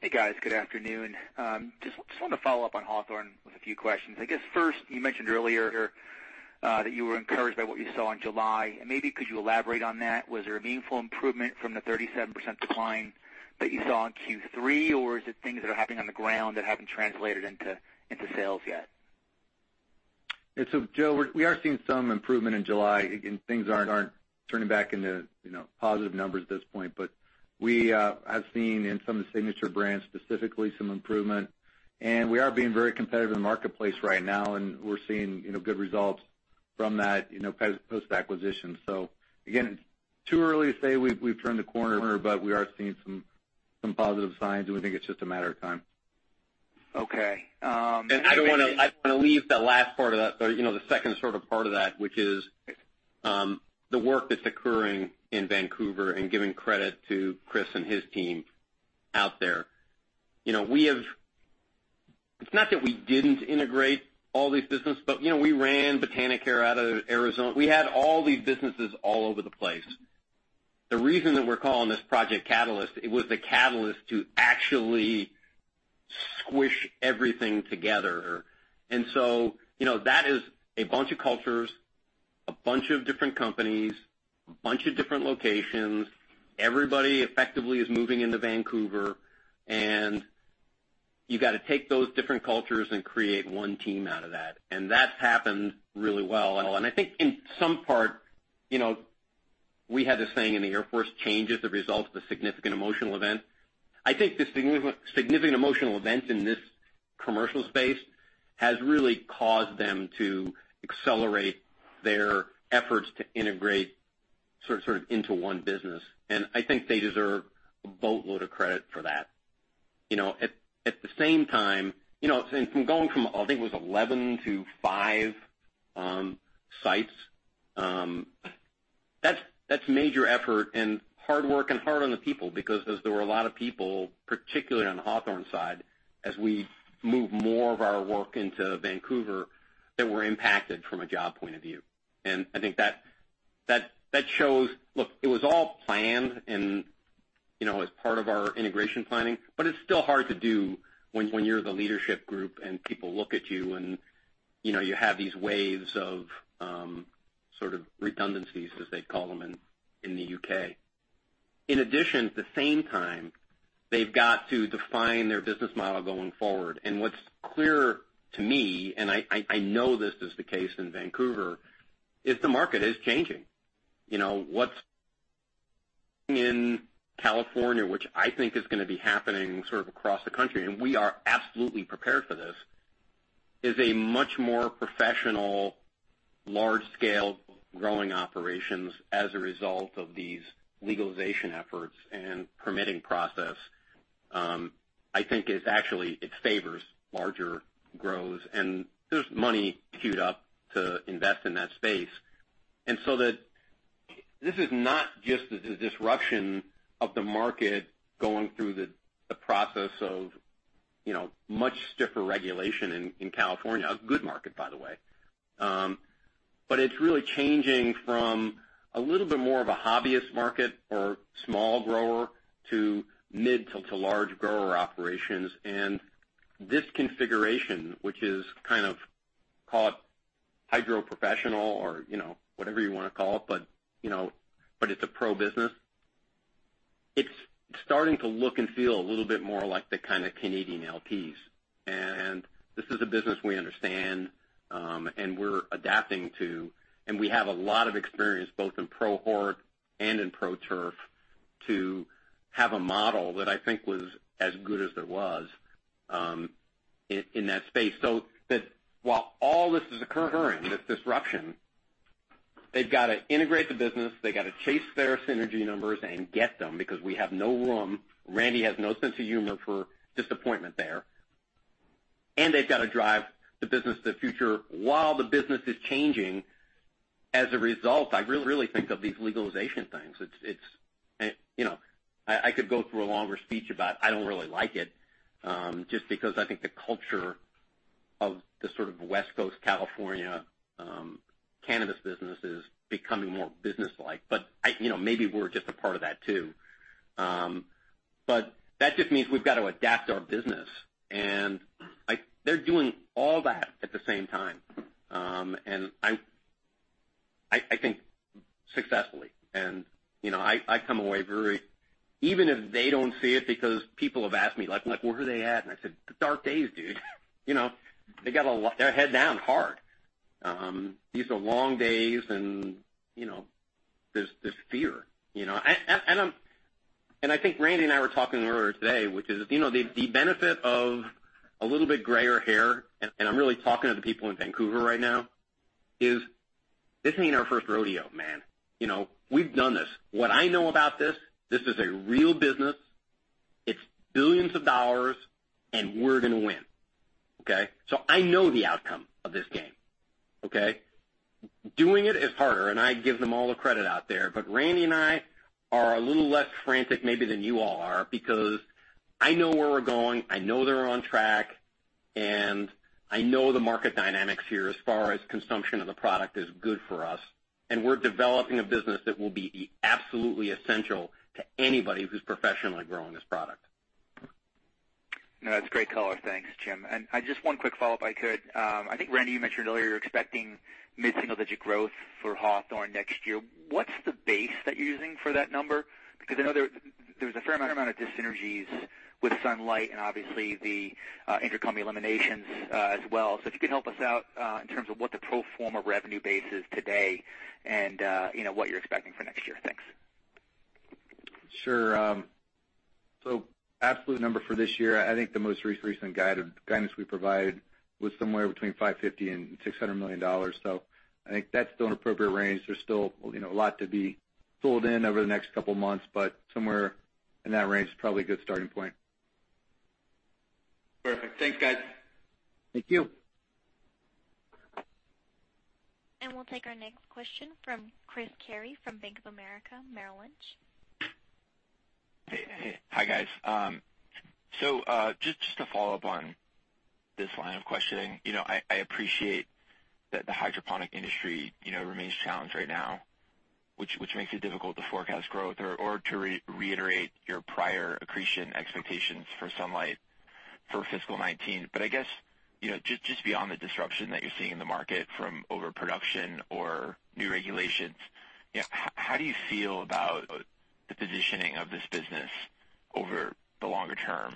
Hey, guys. Good afternoon. Just wanted to follow up on Hawthorne with a few questions. Maybe could you elaborate on that? Was there a meaningful improvement from the 37% decline that you saw in Q3, or is it things that are happening on the ground that haven't translated into sales yet? Yeah. Joe, we are seeing some improvement in July. Again, things aren't turning back into positive numbers at this point. We have seen in some of the signature brands, specifically, some improvement. We are being very competitive in the marketplace right now, and we're seeing good results from that post-acquisition. Again, too early to say we've turned a corner, but we are seeing some positive signs, and we think it's just a matter of time. Okay. I want to leave that last part of that, or the second sort of part of that, which is the work that's occurring in Vancouver and giving credit to Chris and his team out there. It's not that we didn't integrate all these business, but we ran Botanicare out of Arizona. We had all these businesses all over the place. The reason that we're calling this Project Catalyst, it was the catalyst to actually squish everything together. That is a bunch of cultures, a bunch of different companies, a bunch of different locations. Everybody effectively is moving into Vancouver, and you got to take those different cultures and create one team out of that. That's happened really well. I think in some part, we had this saying in the Air Force, change as a result of a significant emotional event. I think the significant emotional event in this commercial space has really caused them to accelerate their efforts to integrate sort of into one business. I think they deserve a boatload of credit for that. At the same time, from going from, I think it was 11 to five sites, that's major effort and hard work and hard on the people because as there were a lot of people, particularly on the Hawthorne side, as we move more of our work into Vancouver, that were impacted from a job point of view. I think that shows Look, it was all planned and as part of our integration planning, but it's still hard to do when you're the leadership group and people look at you, and you have these waves of sort of redundancies, as they call them in the U.K. In addition, at the same time, they've got to define their business model going forward. What's clear to me, and I know this is the case in Vancouver, is the market is changing. What's in California, which I think is going to be happening sort of across the country, and we are absolutely prepared for this, is a much more professional, large-scale growing operations as a result of these legalization efforts and permitting process. I think it actually favors larger grows, and there's money queued up to invest in that space. This is not just the disruption of the market going through the process of Much stiffer regulation in California. A good market, by the way. It's really changing from a little bit more of a hobbyist market or small grower to mid to large grower operations. This configuration, which is kind of call it hydro professional or whatever you want to call it, but it's a pro business. It's starting to look and feel a little bit more like the kind of Canadian LPs. This is a business we understand, and we're adapting to, and we have a lot of experience, both in pro hort and in pro turf, to have a model that I think was as good as it was in that space. While all this is occurring, this disruption, they've got to integrate the business. They got to chase their synergy numbers and get them, because we have no room. Randy Coleman has no sense of humor for disappointment there. They've got to drive the business to the future while the business is changing. As a result, I really think of these legalization things. I could go through a longer speech about I don't really like it, just because I think the culture of the sort of West Coast, California cannabis business is becoming more businesslike. Maybe we're just a part of that, too. That just means we've got to adapt our business. They're doing all that at the same time, and I think successfully. I come away very Even if they don't see it, because people have asked me, "Where are they at?" I said, "The dark days, dude." They got their head down hard. These are long days, and there's fear. I think Randy and I were talking earlier today, which is the benefit of a little bit grayer hair, and I'm really talking to the people in Vancouver right now, is this ain't our first rodeo, man. We've done this. What I know about this is a real business. It's billions of dollars, we're going to win. Okay? I know the outcome of this game. Okay? Doing it is harder, and I give them all the credit out there. Randy and I are a little less frantic maybe than you all are, because I know where we're going. I know they're on track. I know the market dynamics here as far as consumption of the product is good for us. We're developing a business that will be absolutely essential to anybody who's professionally growing this product. No, that's great color. Thanks, Jim. Just one quick follow-up, if I could. I think, Randy, you mentioned earlier you're expecting mid-single-digit growth for Hawthorne next year. What's the base that you're using for that number? Because I know there's a fair amount of dis-synergies with Sunlight and obviously the intercompany eliminations as well. If you could help us out in terms of what the pro forma revenue base is today and what you're expecting for next year. Thanks. Sure. Absolute number for this year, I think the most recent guidance we provided was somewhere between $550 million and $600 million. I think that's still an appropriate range. There's still a lot to be pulled in over the next couple of months, somewhere in that range is probably a good starting point. Perfect. Thanks, guys. Thank you. We'll take our next question from Chris Carey from Bank of America Merrill Lynch. Hey. Hi, guys. Just to follow up on this line of questioning. I appreciate that the hydroponic industry remains challenged right now, which makes it difficult to forecast growth or to reiterate your prior accretion expectations for Sunlight for FY 2019. I guess, just beyond the disruption that you're seeing in the market from overproduction or new regulations, how do you feel about the positioning of this business over the longer term?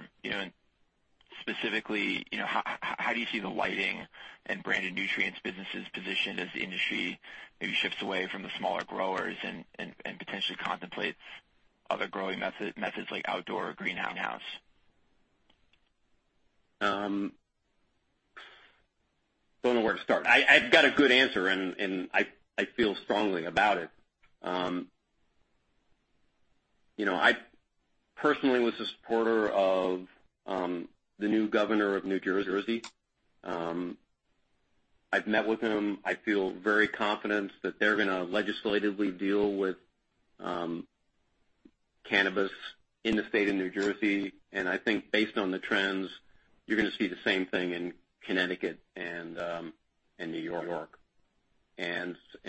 Specifically, how do you see the lighting and branded nutrients businesses positioned as the industry maybe shifts away from the smaller growers and potentially contemplates other growing methods, like outdoor or greenhouse? Don't know where to start. I've got a good answer, I feel strongly about it. I personally was a supporter of the new governor of New Jersey. I've met with him. I feel very confident that they're going to legislatively deal with cannabis in the state of New Jersey. I think based on the trends, you're going to see the same thing in Connecticut and New York.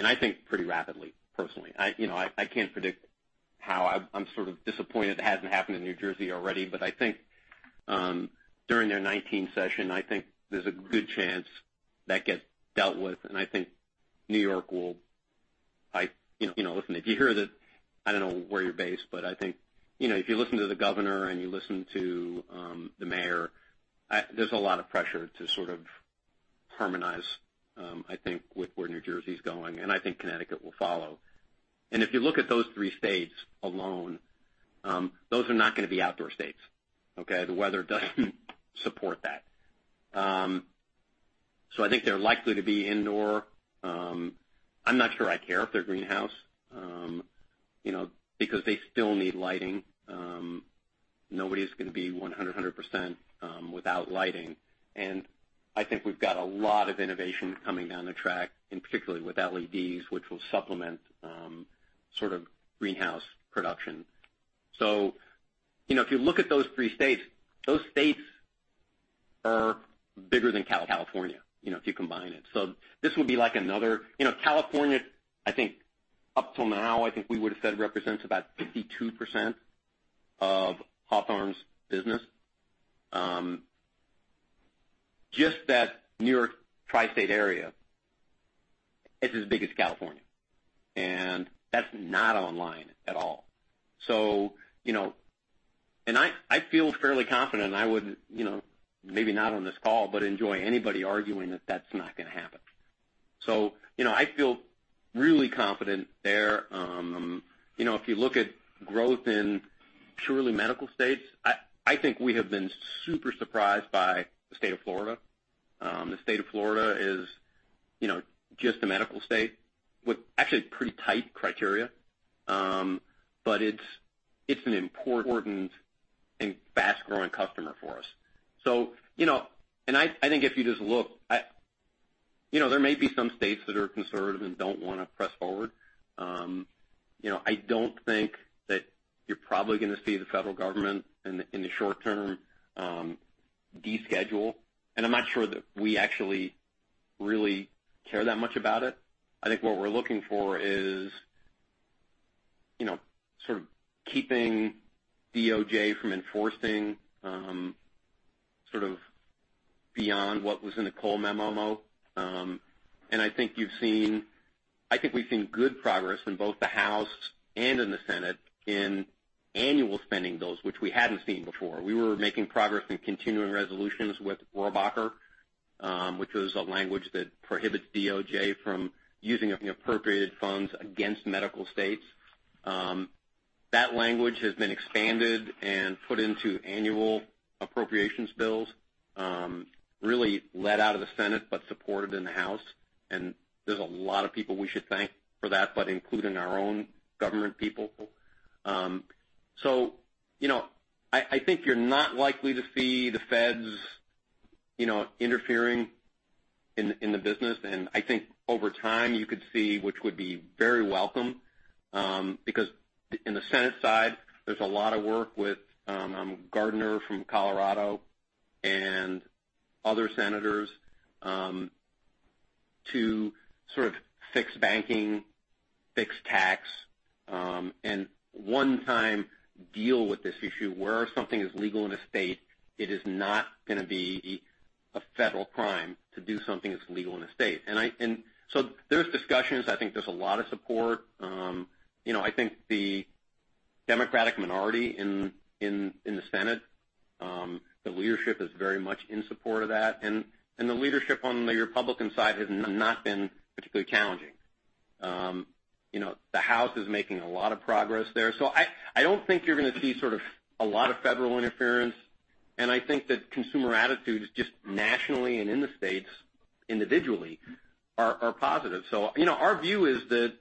I think pretty rapidly, personally. I can't predict how. I'm sort of disappointed it hasn't happened in New Jersey already. I think during their 2019 session, I think there's a good chance that gets dealt with. I think New York will Listen, if you hear that, I don't know where you're based, but I think, if you listen to the governor and you listen to the mayor, there's a lot of pressure to sort of harmonize, I think, with where New Jersey's going, and I think Connecticut will follow. If you look at those three states alone, those are not going to be outdoor states. Okay? The weather doesn't support that. I think they're likely to be indoor. I'm not sure I care if they're greenhouse, because they still need lighting. Nobody's going to be 100% without lighting. I think we've got a lot of innovation coming down the track, in particular with LEDs, which will supplement Sort of greenhouse production. If you look at those three states, those states are bigger than California, if you combine it. California, I think up till now, I think we would've said represents about 52% of Hawthorne's business. Just that New York tri-state area is as big as California, that's not online at all. I feel fairly confident, I would, maybe not on this call, but enjoy anybody arguing that that's not going to happen. I feel really confident there. If you look at growth in purely medical states, I think we have been super surprised by the state of Florida. The state of Florida is just a medical state with actually pretty tight criteria. It's an important and fast-growing customer for us. There may be some states that are conservative and don't want to press forward. I don't think that you're probably going to see the federal government, in the short term, deschedule, and I'm not sure that we actually really care that much about it. I think what we're looking for is sort of keeping DOJ from enforcing, sort of beyond what was in the Cole Memo. I think we've seen good progress in both the House and in the Senate in annual spending bills, which we hadn't seen before. We were making progress in continuing resolutions with Rohrabacher, which was a language that prohibits DOJ from using appropriated funds against medical states. That language has been expanded and put into annual appropriations bills. Really led out of the Senate, supported in the House, there's a lot of people we should thank for that, including our own government people. I think you're not likely to see the feds interfering in the business, and I think over time you could see, which would be very welcome, because in the Senate side, there's a lot of work with Gardner from Colorado and other senators, to sort of fix banking, fix tax, and one time deal with this issue. Where something is legal in a state, it is not going to be a federal crime to do something that's legal in a state. There's discussions. I think there's a lot of support. I think the Democratic minority in the Senate, the leadership is very much in support of that, the leadership on the Republican side has not been particularly challenging. The House is making a lot of progress there. I don't think you're going to see a lot of federal interference, and I think that consumer attitudes, just nationally and in the states individually, are positive. Our view is that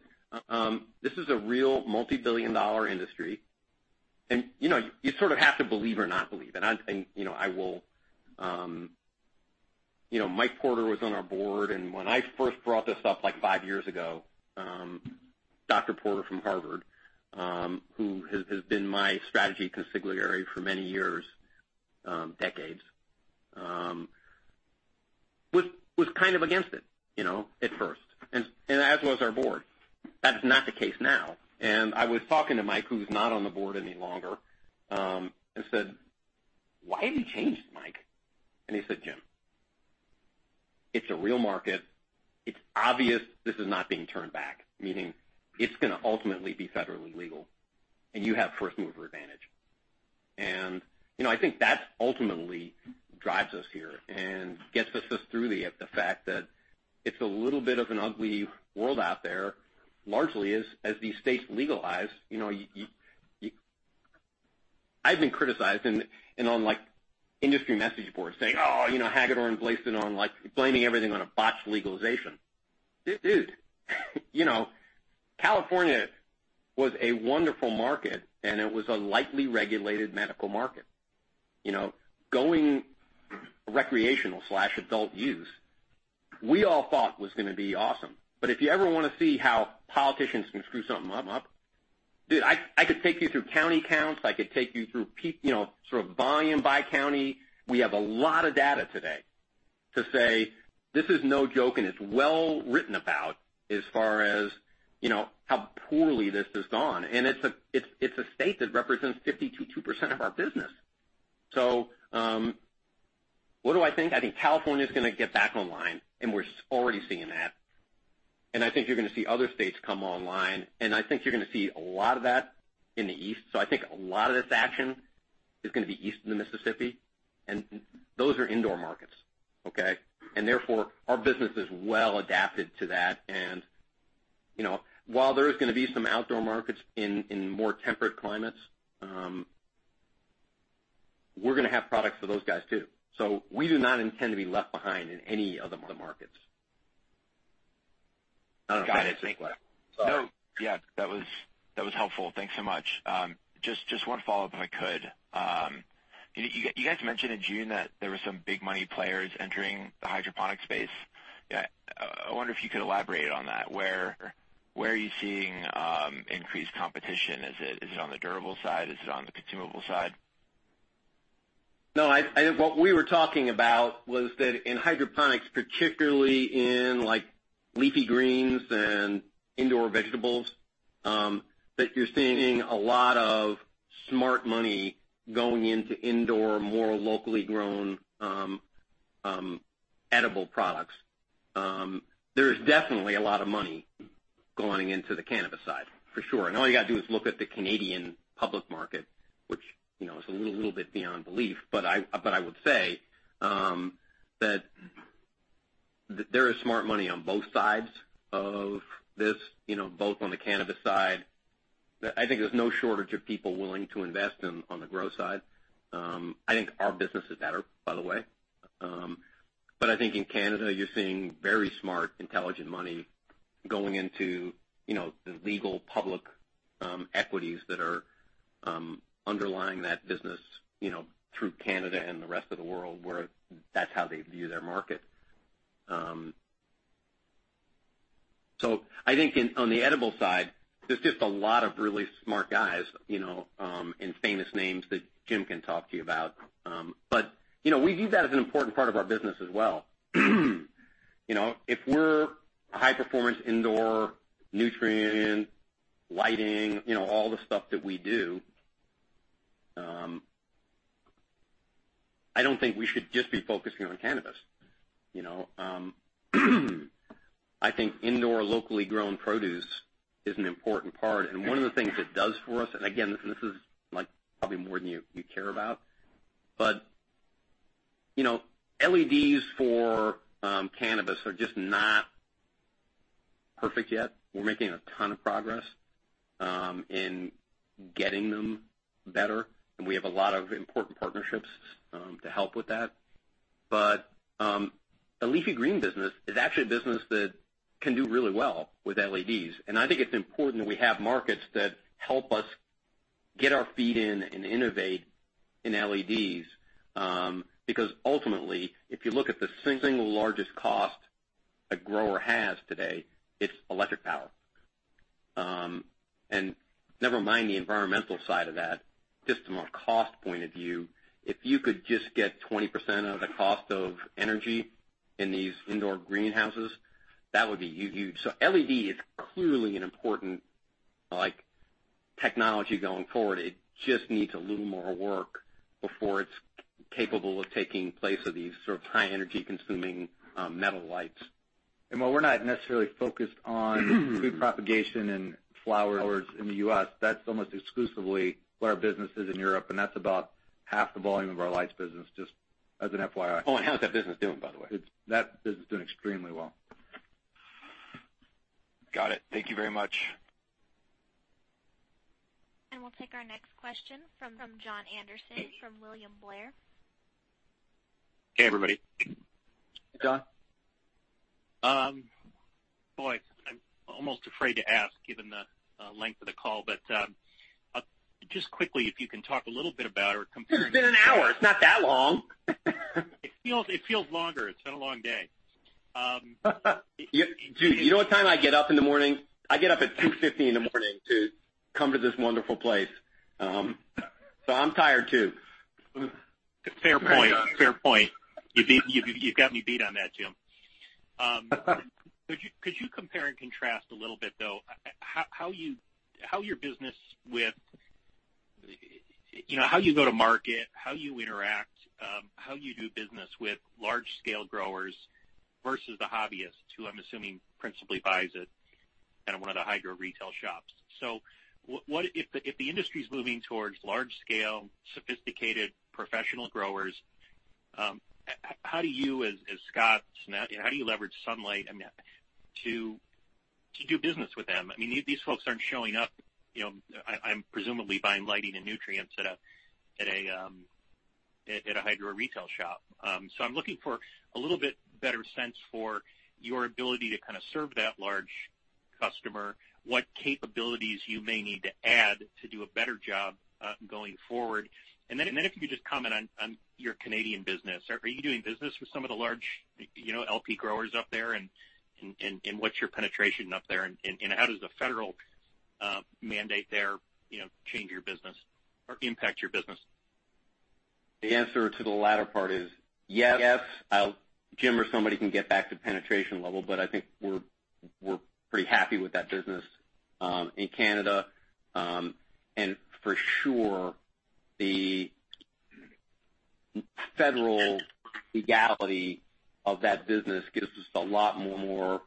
this is a real multi-billion dollar industry, and you sort of have to believe or not believe. Mike Porter was on our board, and when I first brought this up like 5 years ago, Dr. Porter from Harvard, who has been my strategy consigliere for many years, decades, was kind of against it at first. As was our board. That's not the case now. I was talking to Mike, who's not on the board any longer, and said, "Why have you changed, Mike?" He said, "Jim, it's a real market. It's obvious this is not being turned back, meaning it's going to ultimately be federally legal, and you have first-mover advantage." I think that ultimately drives us here and gets us through the fact that it's a little bit of an ugly world out there, largely as these states legalize. I've been criticized and on industry message boards saying, "Oh, Hagedorn blaming everything on a botched legalization." Dude, California was a wonderful market, and it was a lightly regulated medical market. Going recreational/adult use, we all thought was going to be awesome. If you ever want to see how politicians can screw something up, dude, I could take you through county counts. I could take you through volume by county. We have a lot of data today to say, "This is no joke," and it's well written about as far as how poorly this has gone. It's a state that represents 52% of our business. What do I think? I think California's going to get back online, and we're already seeing that. I think you're going to see other states come online, and I think you're going to see a lot of that in the East. I think a lot of this action is going to be east of the Mississippi, and those are indoor markets. Okay? Therefore, our business is well adapted to that. While there is going to be some outdoor markets in more temperate climates, we're going to have products for those guys, too. We do not intend to be left behind in any of the markets. I don't know if I answered your question. Sorry. Got it. No, yeah. That was helpful. Thanks so much. Just one follow-up, if I could. You guys mentioned in June that there were some big money players entering the hydroponic space. I wonder if you could elaborate on that. Where are you seeing increased competition? Is it on the durable side? Is it on the consumable side? I think what we were talking about was that in hydroponics, particularly in leafy greens and indoor vegetables, that you're seeing a lot of smart money going into indoor, more locally grown, edible products. There's definitely a lot of money going into the cannabis side, for sure. All you got to do is look at the Canadian public market, which is a little bit beyond belief. I would say that there is smart money on both sides of this, both on the cannabis side. I think there's no shortage of people willing to invest in, on the growth side. I think our business is better, by the way. I think in Canada, you're seeing very smart, intelligent money going into the legal public equities that are underlying that business through Canada and the rest of the world, where that's how they view their market. I think on the edible side, there's just a lot of really smart guys, and famous names that Jim can talk to you about. We view that as an important part of our business as well. If we're a high-performance indoor nutrient lighting, all the stuff that we do, I don't think we should just be focusing on cannabis. I think indoor, locally grown produce is an important part. One of the things it does for us, and again, this is probably more than you care about, LEDs for cannabis are just not perfect yet. We're making a ton of progress in getting them better, and we have a lot of important partnerships to help with that. The leafy green business is actually a business that can do really well with LEDs. I think it's important that we have markets that help us get our feet in and innovate in LEDs, because ultimately, if you look at the single largest cost a grower has today, it's electric power. Never mind the environmental side of that, just from a cost point of view, if you could just get 20% of the cost of energy in these indoor greenhouses, that would be huge. LED is clearly an important technology going forward. It just needs a little more work before it's capable of taking place of these sort of high energy-consuming metal lights. While we're not necessarily focused on food propagation and flowers in the U.S., that's almost exclusively where our business is in Europe, that's about half the volume of our lights business, just as an FYI. Oh, how's that business doing, by the way? That business is doing extremely well. Got it. Thank you very much. We'll take our next question from Jon Andersen from William Blair. Hey. Hey, everybody. Jon. Boy, I'm almost afraid to ask, given the length of the call, but just quickly, if you can talk a little bit about or compare- It's been an hour. It's not that long. It feels longer. It's been a long day. Do you know what time I get up in the morning? I get up at 2:15 in the morning to come to this wonderful place. I'm tired too. Fair point. You've got me beat on that, Jim. Could you compare and contrast a little bit, though, how you go to market, how you interact, how you do business with large-scale growers versus the hobbyist, who I'm assuming principally buys it at one of the hydro retail shops. If the industry's moving towards large-scale, sophisticated professional growers, how do you, as Scotts, and how do you leverage Sunlight to do business with them? These folks aren't showing up, presumably buying lighting and nutrients at a hydro retail shop. I'm looking for a little bit better sense for your ability to serve that large customer, what capabilities you may need to add to do a better job, going forward. Then if you could just comment on your Canadian business. Are you doing business with some of the large LP growers up there, what's your penetration up there, and how does the federal mandate there change your business or impact your business? The answer to the latter part is yes. Jim or somebody can get back to penetration level, but I think we're pretty happy with that business in Canada. For sure, the federal legality of that business gives us a lot more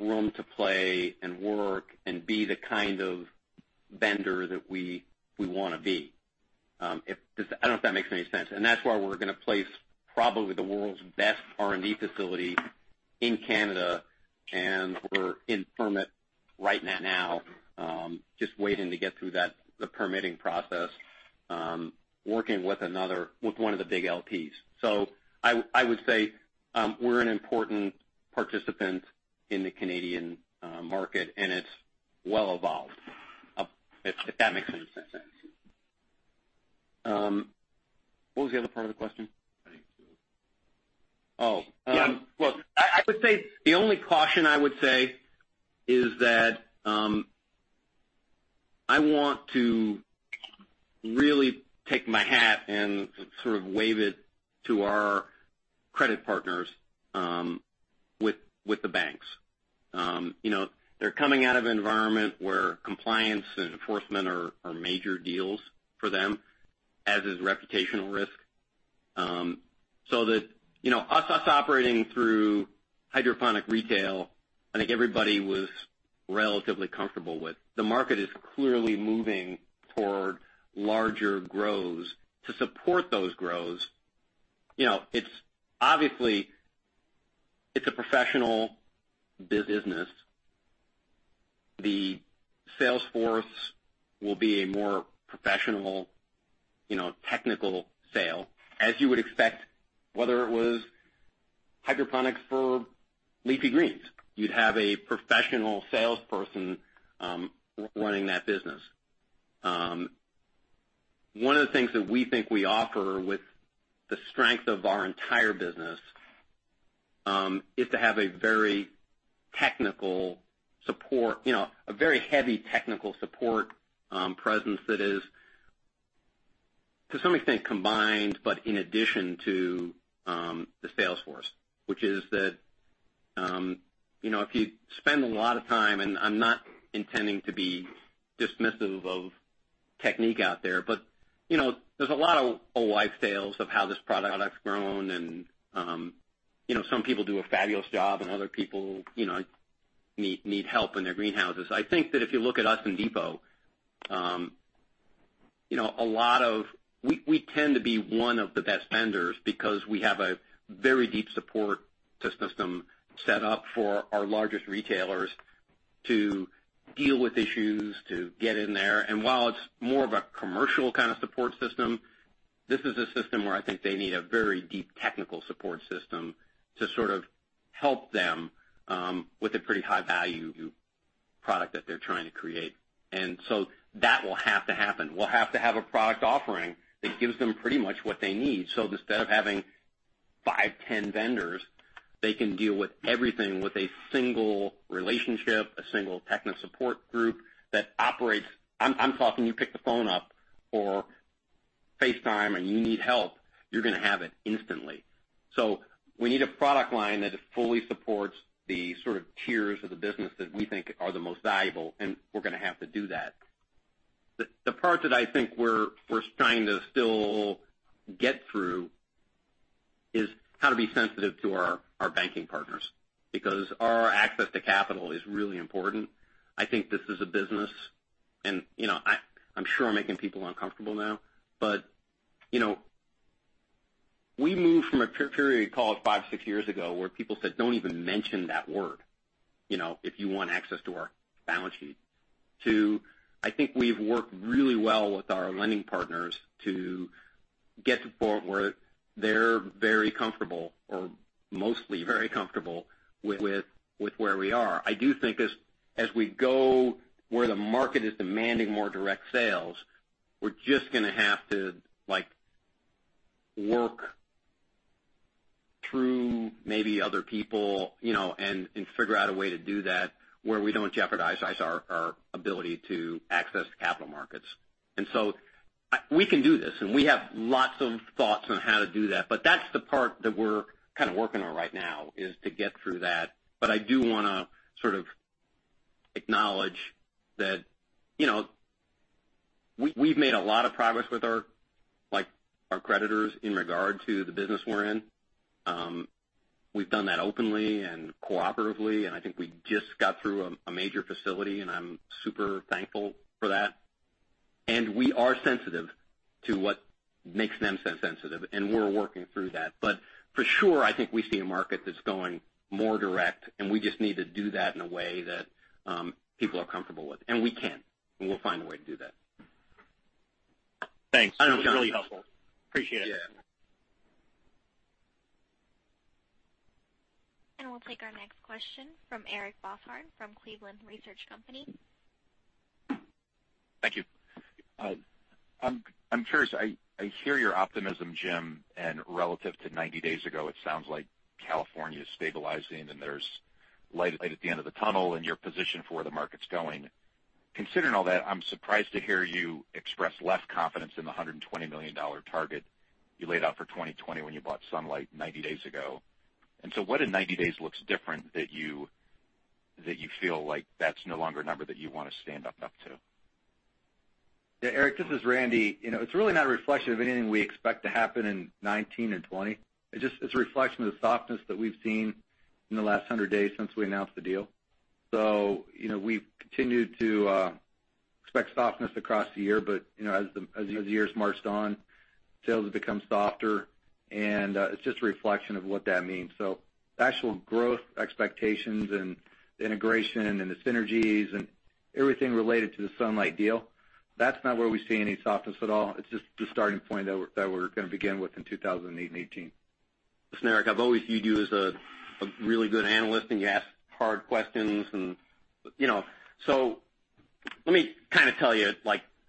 room to play and work and be the kind of vendor that we want to be. I don't know if that makes any sense. That's why we're going to place probably the world's best R&D facility in Canada, and we're in permit right now, just waiting to get through the permitting process, working with one of the big LPs. I would say we're an important participant in the Canadian market, and it's well evolved, if that makes any sense. What was the other part of the question? I think so. Oh. Yeah. Look, I would say the only caution I would say is that, I want to really take my hat and sort of wave it to our credit partners with the banks. They're coming out of an environment where compliance and enforcement are major deals for them, as is reputational risk. Us operating through hydroponic retail, I think everybody was relatively comfortable with. The market is clearly moving toward larger grows. To support those grows, obviously, it's a professional business. The sales force will be a more professional, technical sale, as you would expect, whether it was hydroponics for leafy greens. You'd have a professional salesperson running that business. One of the things that we think we offer with the strength of our entire business, is to have a very heavy technical support presence that is, to some extent, combined, but in addition to the sales force. Which is that, if you spend a lot of time, and I'm not intending to be dismissive of technique out there, but there's a lot of old wives' tales of how this product's grown and some people do a fabulous job and other people need help in their greenhouses. I think that if you look at us in Depot, we tend to be one of the best vendors because we have a very deep support system set up for our largest retailers to deal with issues, to get in there. While it's more of a commercial kind of support system, this is a system where I think they need a very deep technical support system to sort of help them with a pretty high-value product that they're trying to create. That will have to happen. We'll have to have a product offering that gives them pretty much what they need. Instead of having five, 10 vendors, they can deal with everything with a single relationship, a single technical support group that operates I'm talking, you pick the phone up or FaceTime and you need help, you're going to have it instantly. We need a product line that fully supports the tiers of the business that we think are the most valuable, and we're going to have to do that. The part that I think we're trying to still get through is how to be sensitive to our banking partners, because our access to capital is really important. I think this is a business, and I'm sure I'm making people uncomfortable now, we moved from a period, call it five, six years ago, where people said, "Don't even mention that word if you want access to our balance sheet," to I think we've worked really well with our lending partners to get to the point where they're very comfortable or mostly very comfortable with where we are. I do think as we go where the market is demanding more direct sales, we're just going to have to work through maybe other people, and figure out a way to do that where we don't jeopardize our ability to access capital markets. We can do this, and we have lots of thoughts on how to do that, but that's the part that we're kind of working on right now is to get through that. I do want to sort of acknowledge that we've made a lot of progress with our creditors in regard to the business we're in. We've done that openly and cooperatively, and I think we just got through a major facility, and I'm super thankful for that. We are sensitive to what makes them sensitive, and we're working through that. For sure, I think we see a market that's going more direct, and we just need to do that in a way that people are comfortable with. We can, and we'll find a way to do that. Thanks. That was really helpful. Appreciate it. Yeah. We'll take our next question from Eric Bosshard from Cleveland Research Company. Thank you. I'm curious, I hear your optimism, Jim, relative to 90 days ago, it sounds like California is stabilizing and there's light at the end of the tunnel and you're positioned for where the market's going. Considering all that, I'm surprised to hear you express less confidence in the $120 million target you laid out for 2020 when you bought Sunlight 90 days ago. What in 90 days looks different that you feel like that's no longer a number that you want to stand up to? Yeah, Eric, this is Randy. It's really not a reflection of anything we expect to happen in 2019 and 2020. It's a reflection of the softness that we've seen in the last 100 days since we announced the deal. We've continued to expect softness across the year, but as the years marched on, sales have become softer, and it's just a reflection of what that means. Actual growth expectations and integration and the synergies and everything related to the Sunlight deal, that's not where we see any softness at all. It's just the starting point that we're going to begin with in 2018. Listen, Eric, I've always viewed you as a really good analyst, you ask hard questions. Let me kind of tell you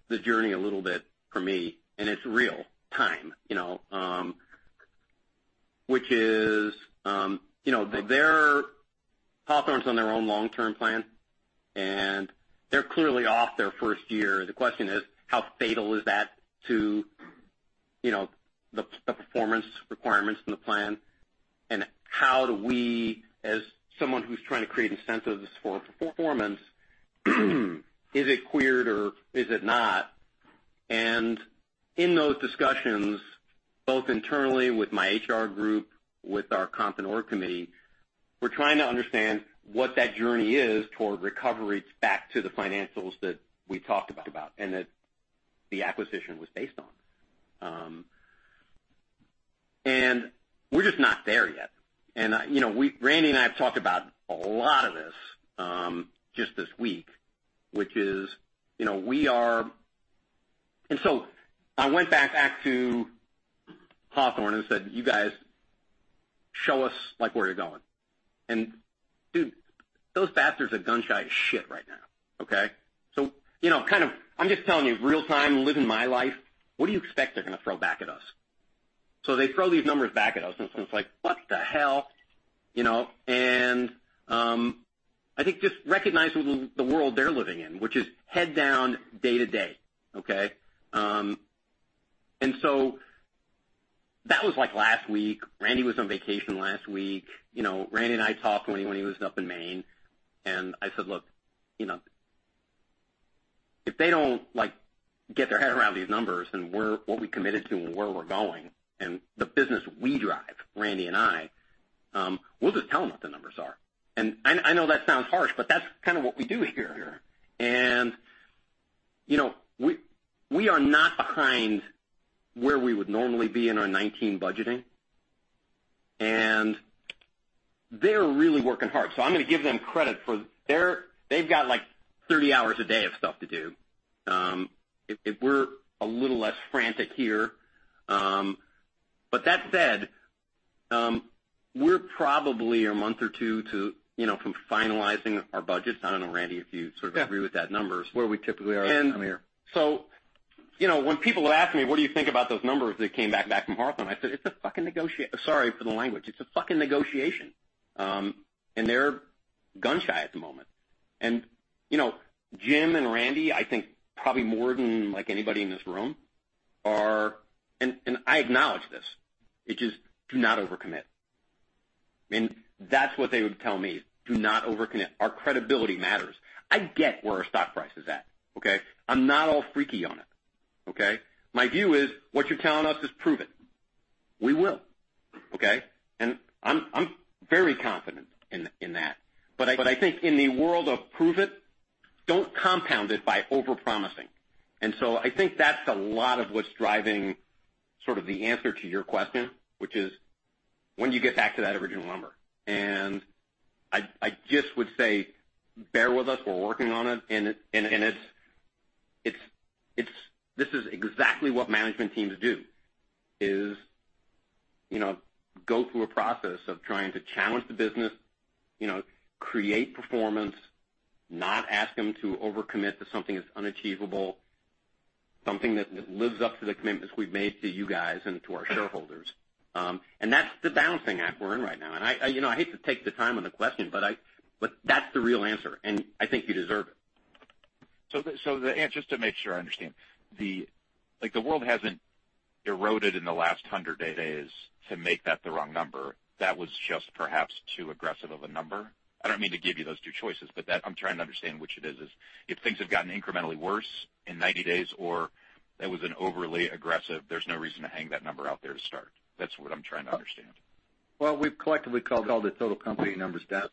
the journey a little bit for me, and it's real time. Which is, Hawthorne's on their own long-term plan, and they're clearly off their first year. The question is, how fatal is that to the performance requirements in the plan, and how do we, as someone who's trying to create incentives for performance, is it queered or is it not? In those discussions, both internally with my HR group, with our Comp and Org committee, we're trying to understand what that journey is toward recovery back to the financials that we talked about, and that the acquisition was based on. We're just not there yet. Randy and I have talked about a lot of this, just this week, which is, I went back to Hawthorne and said, "You guys, show us where you're going." And dude, those bastards are gun-shy as shit right now, okay? I'm just telling you real-time, living my life, what do you expect they're gonna throw back at us? They throw these numbers back at us, and it's like, what the hell? I think just recognizing the world they're living in, which is head down, day to day, okay? That was last week. Randy Coleman was on vacation last week. Randy Coleman and I talked when he was up in Maine, and I said, "Look, if they don't get their head around these numbers and what we committed to and where we're going, and the business we drive, Randy Coleman and I, we'll just tell them what the numbers are." I know that sounds harsh, that's kind of what we do here. We are not behind where we would normally be in our 2019 budgeting. They're really working hard, I'm gonna give them credit for They've got 30 hours a day of stuff to do. We're a little less frantic here. That said, we're probably a month or two from finalizing our budgets. I don't know, Randy Coleman, if you sort of agree- Yeah with that number. It's where we typically are this time of year. When people would ask me, "What do you think about those numbers that came back from Hawthorne?" I said, "It's a fucking negotiation." Sorry for the language. It's a fucking negotiation. They're gun-shy at the moment. Jim and Randy, I think, probably more than anybody in this room are. I acknowledge this, which is do not overcommit. That's what they would tell me, "Do not overcommit. Our credibility matters." I get where our stock price is at, okay? I'm not all freaky on it, okay? My view is, what you're telling us is prove it. We will, okay? I'm very confident in that. I think in the world of prove it, don't compound it by overpromising. I think that's a lot of what's driving sort of the answer to your question, which is when do you get back to that original number? I just would say bear with us. We're working on it. This is exactly what management teams do, is go through a process of trying to challenge the business, create performance, not ask them to overcommit to something that's unachievable, something that lives up to the commitments we've made to you guys and to our shareholders. That's the balancing act we're in right now. I hate to take the time on the question, but that's the real answer, and I think you deserve it. Just to make sure I understand. The world hasn't eroded in the last 100 days to make that the wrong number. That was just perhaps too aggressive of a number? I don't mean to give you those two choices, I'm trying to understand which it is. If things have gotten incrementally worse in 90 days, or that was an overly aggressive, there's no reason to hang that number out there to start. That's what I'm trying to understand. We've collectively called the total company numbers down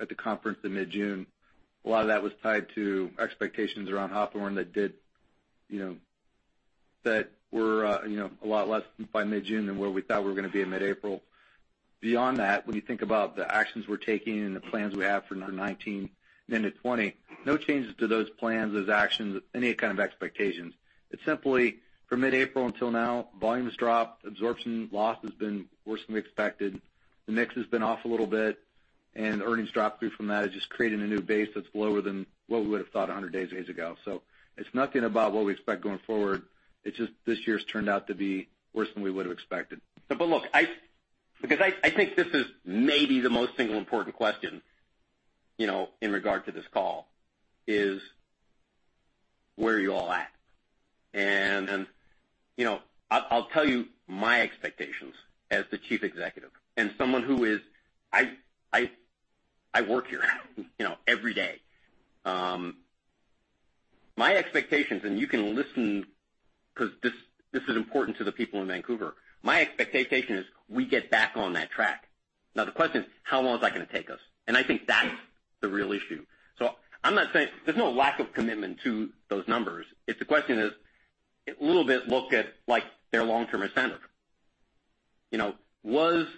at the conference in mid-June. A lot of that was tied to expectations around Hawthorne that were a lot less by mid-June than where we thought we were gonna be in mid-April. Beyond that, when you think about the actions we're taking and the plans we have for 2019 into 2020, no changes to those plans, those actions, any kind of expectations. It's simply from mid-April until now, volume has dropped, absorption loss has been worse than we expected. The mix has been off a little bit, and earnings drop through from that is just creating a new base that's lower than what we would've thought 100 days ago. It's nothing about what we expect going forward. It's just this year's turned out to be worse than we would've expected. Look, because I think this is maybe the most single important question in regard to this call, is where are you all at? I'll tell you my expectations as the chief executive and someone who I work here every day. My expectations, you can listen, because this is important to the people in Vancouver. My expectation is we get back on that track. The question is, how long is that gonna take us? I think that's the real issue. I'm not saying There's no lack of commitment to those numbers. If the question is a little bit looked at like their long-term incentive. What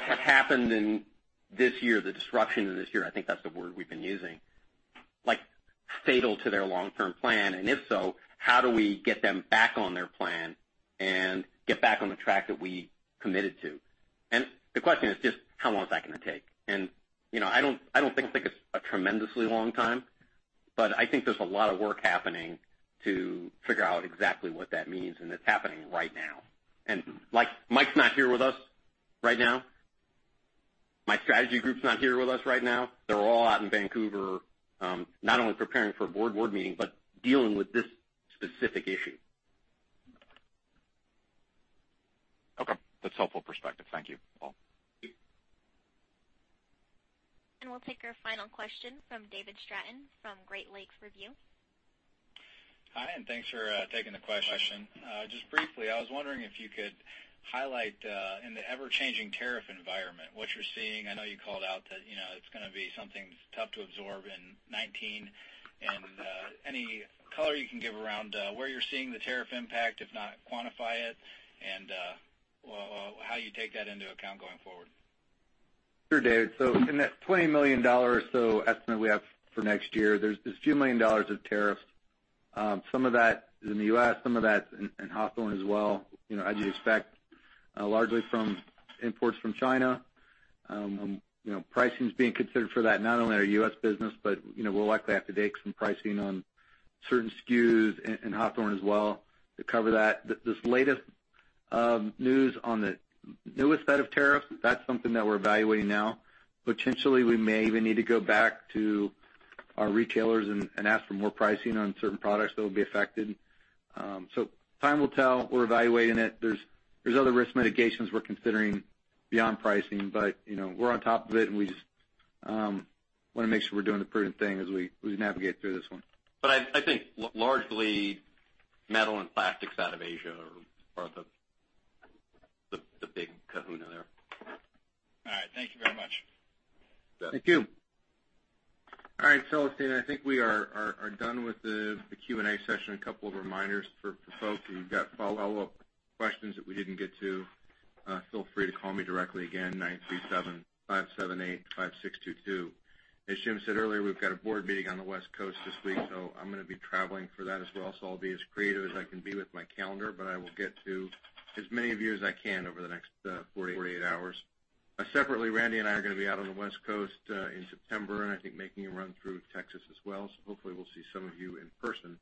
had happened in this year, the disruption in this year, I think that's the word we've been using, fatal to their long-term plan. If so, how do we get them back on their plan and get back on the track that we committed to? The question is just how long is that going to take? I don't think it's a tremendously long time, but I think there's a lot of work happening to figure out exactly what that means, and it's happening right now. Mike's not here with us right now. My strategy group's not here with us right now. They're all out in Vancouver, not only preparing for a board meeting but dealing with this specific issue. Okay. That's a helpful perspective. Thank you, all. We'll take our final question from David Stratton from Great Lakes Review. Hi, thanks for taking the question. Just briefly, I was wondering if you could highlight, in the ever-changing tariff environment, what you're seeing. I know you called out that it's going to be something that's tough to absorb in 2019. Any color you can give around where you're seeing the tariff impact, if not quantify it, and how you take that into account going forward. Sure, David. In that $20 million or so estimate we have for next year, there's a few million dollars of tariffs. Some of that is in the U.S., some of that's in Hawthorne as well. As you'd expect, largely from imports from China. Pricing's being considered for that, not only our U.S. business, but we'll likely have to take some pricing on certain SKUs in Hawthorne as well to cover that. This latest news on the newest set of tariffs, that's something that we're evaluating now. Potentially, we may even need to go back to our retailers and ask for more pricing on certain products that will be affected. Time will tell. We're evaluating it. There's other risk mitigations we're considering beyond pricing, but we're on top of it, and we just want to make sure we're doing the prudent thing as we navigate through this one. I think largely metal and plastics out of Asia are the big kahuna there. All right. Thank you very much. Thank you. All right, Celestin, I think we are done with the Q&A session. A couple of reminders for folks. If you've got follow-up questions that we didn't get to, feel free to call me directly. Again, 937-578-5622. As Jim said earlier, we've got a board meeting on the West Coast this week, I'm going to be traveling for that as well. I'll be as creative as I can be with my calendar, but I will get to as many of you as I can over the next 48 hours. Separately, Randy and I are going to be out on the West Coast in September, and I think making a run through Texas as well. Hopefully we'll see some of you in person.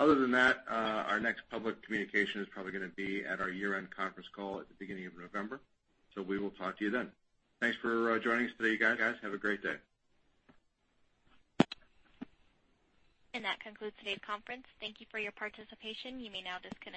Other than that, our next public communication is probably going to be at our year-end conference call at the beginning of November. We will talk to you then. Thanks for joining us today, guys. Have a great day. That concludes today's conference. Thank you for your participation. You may now disconnect.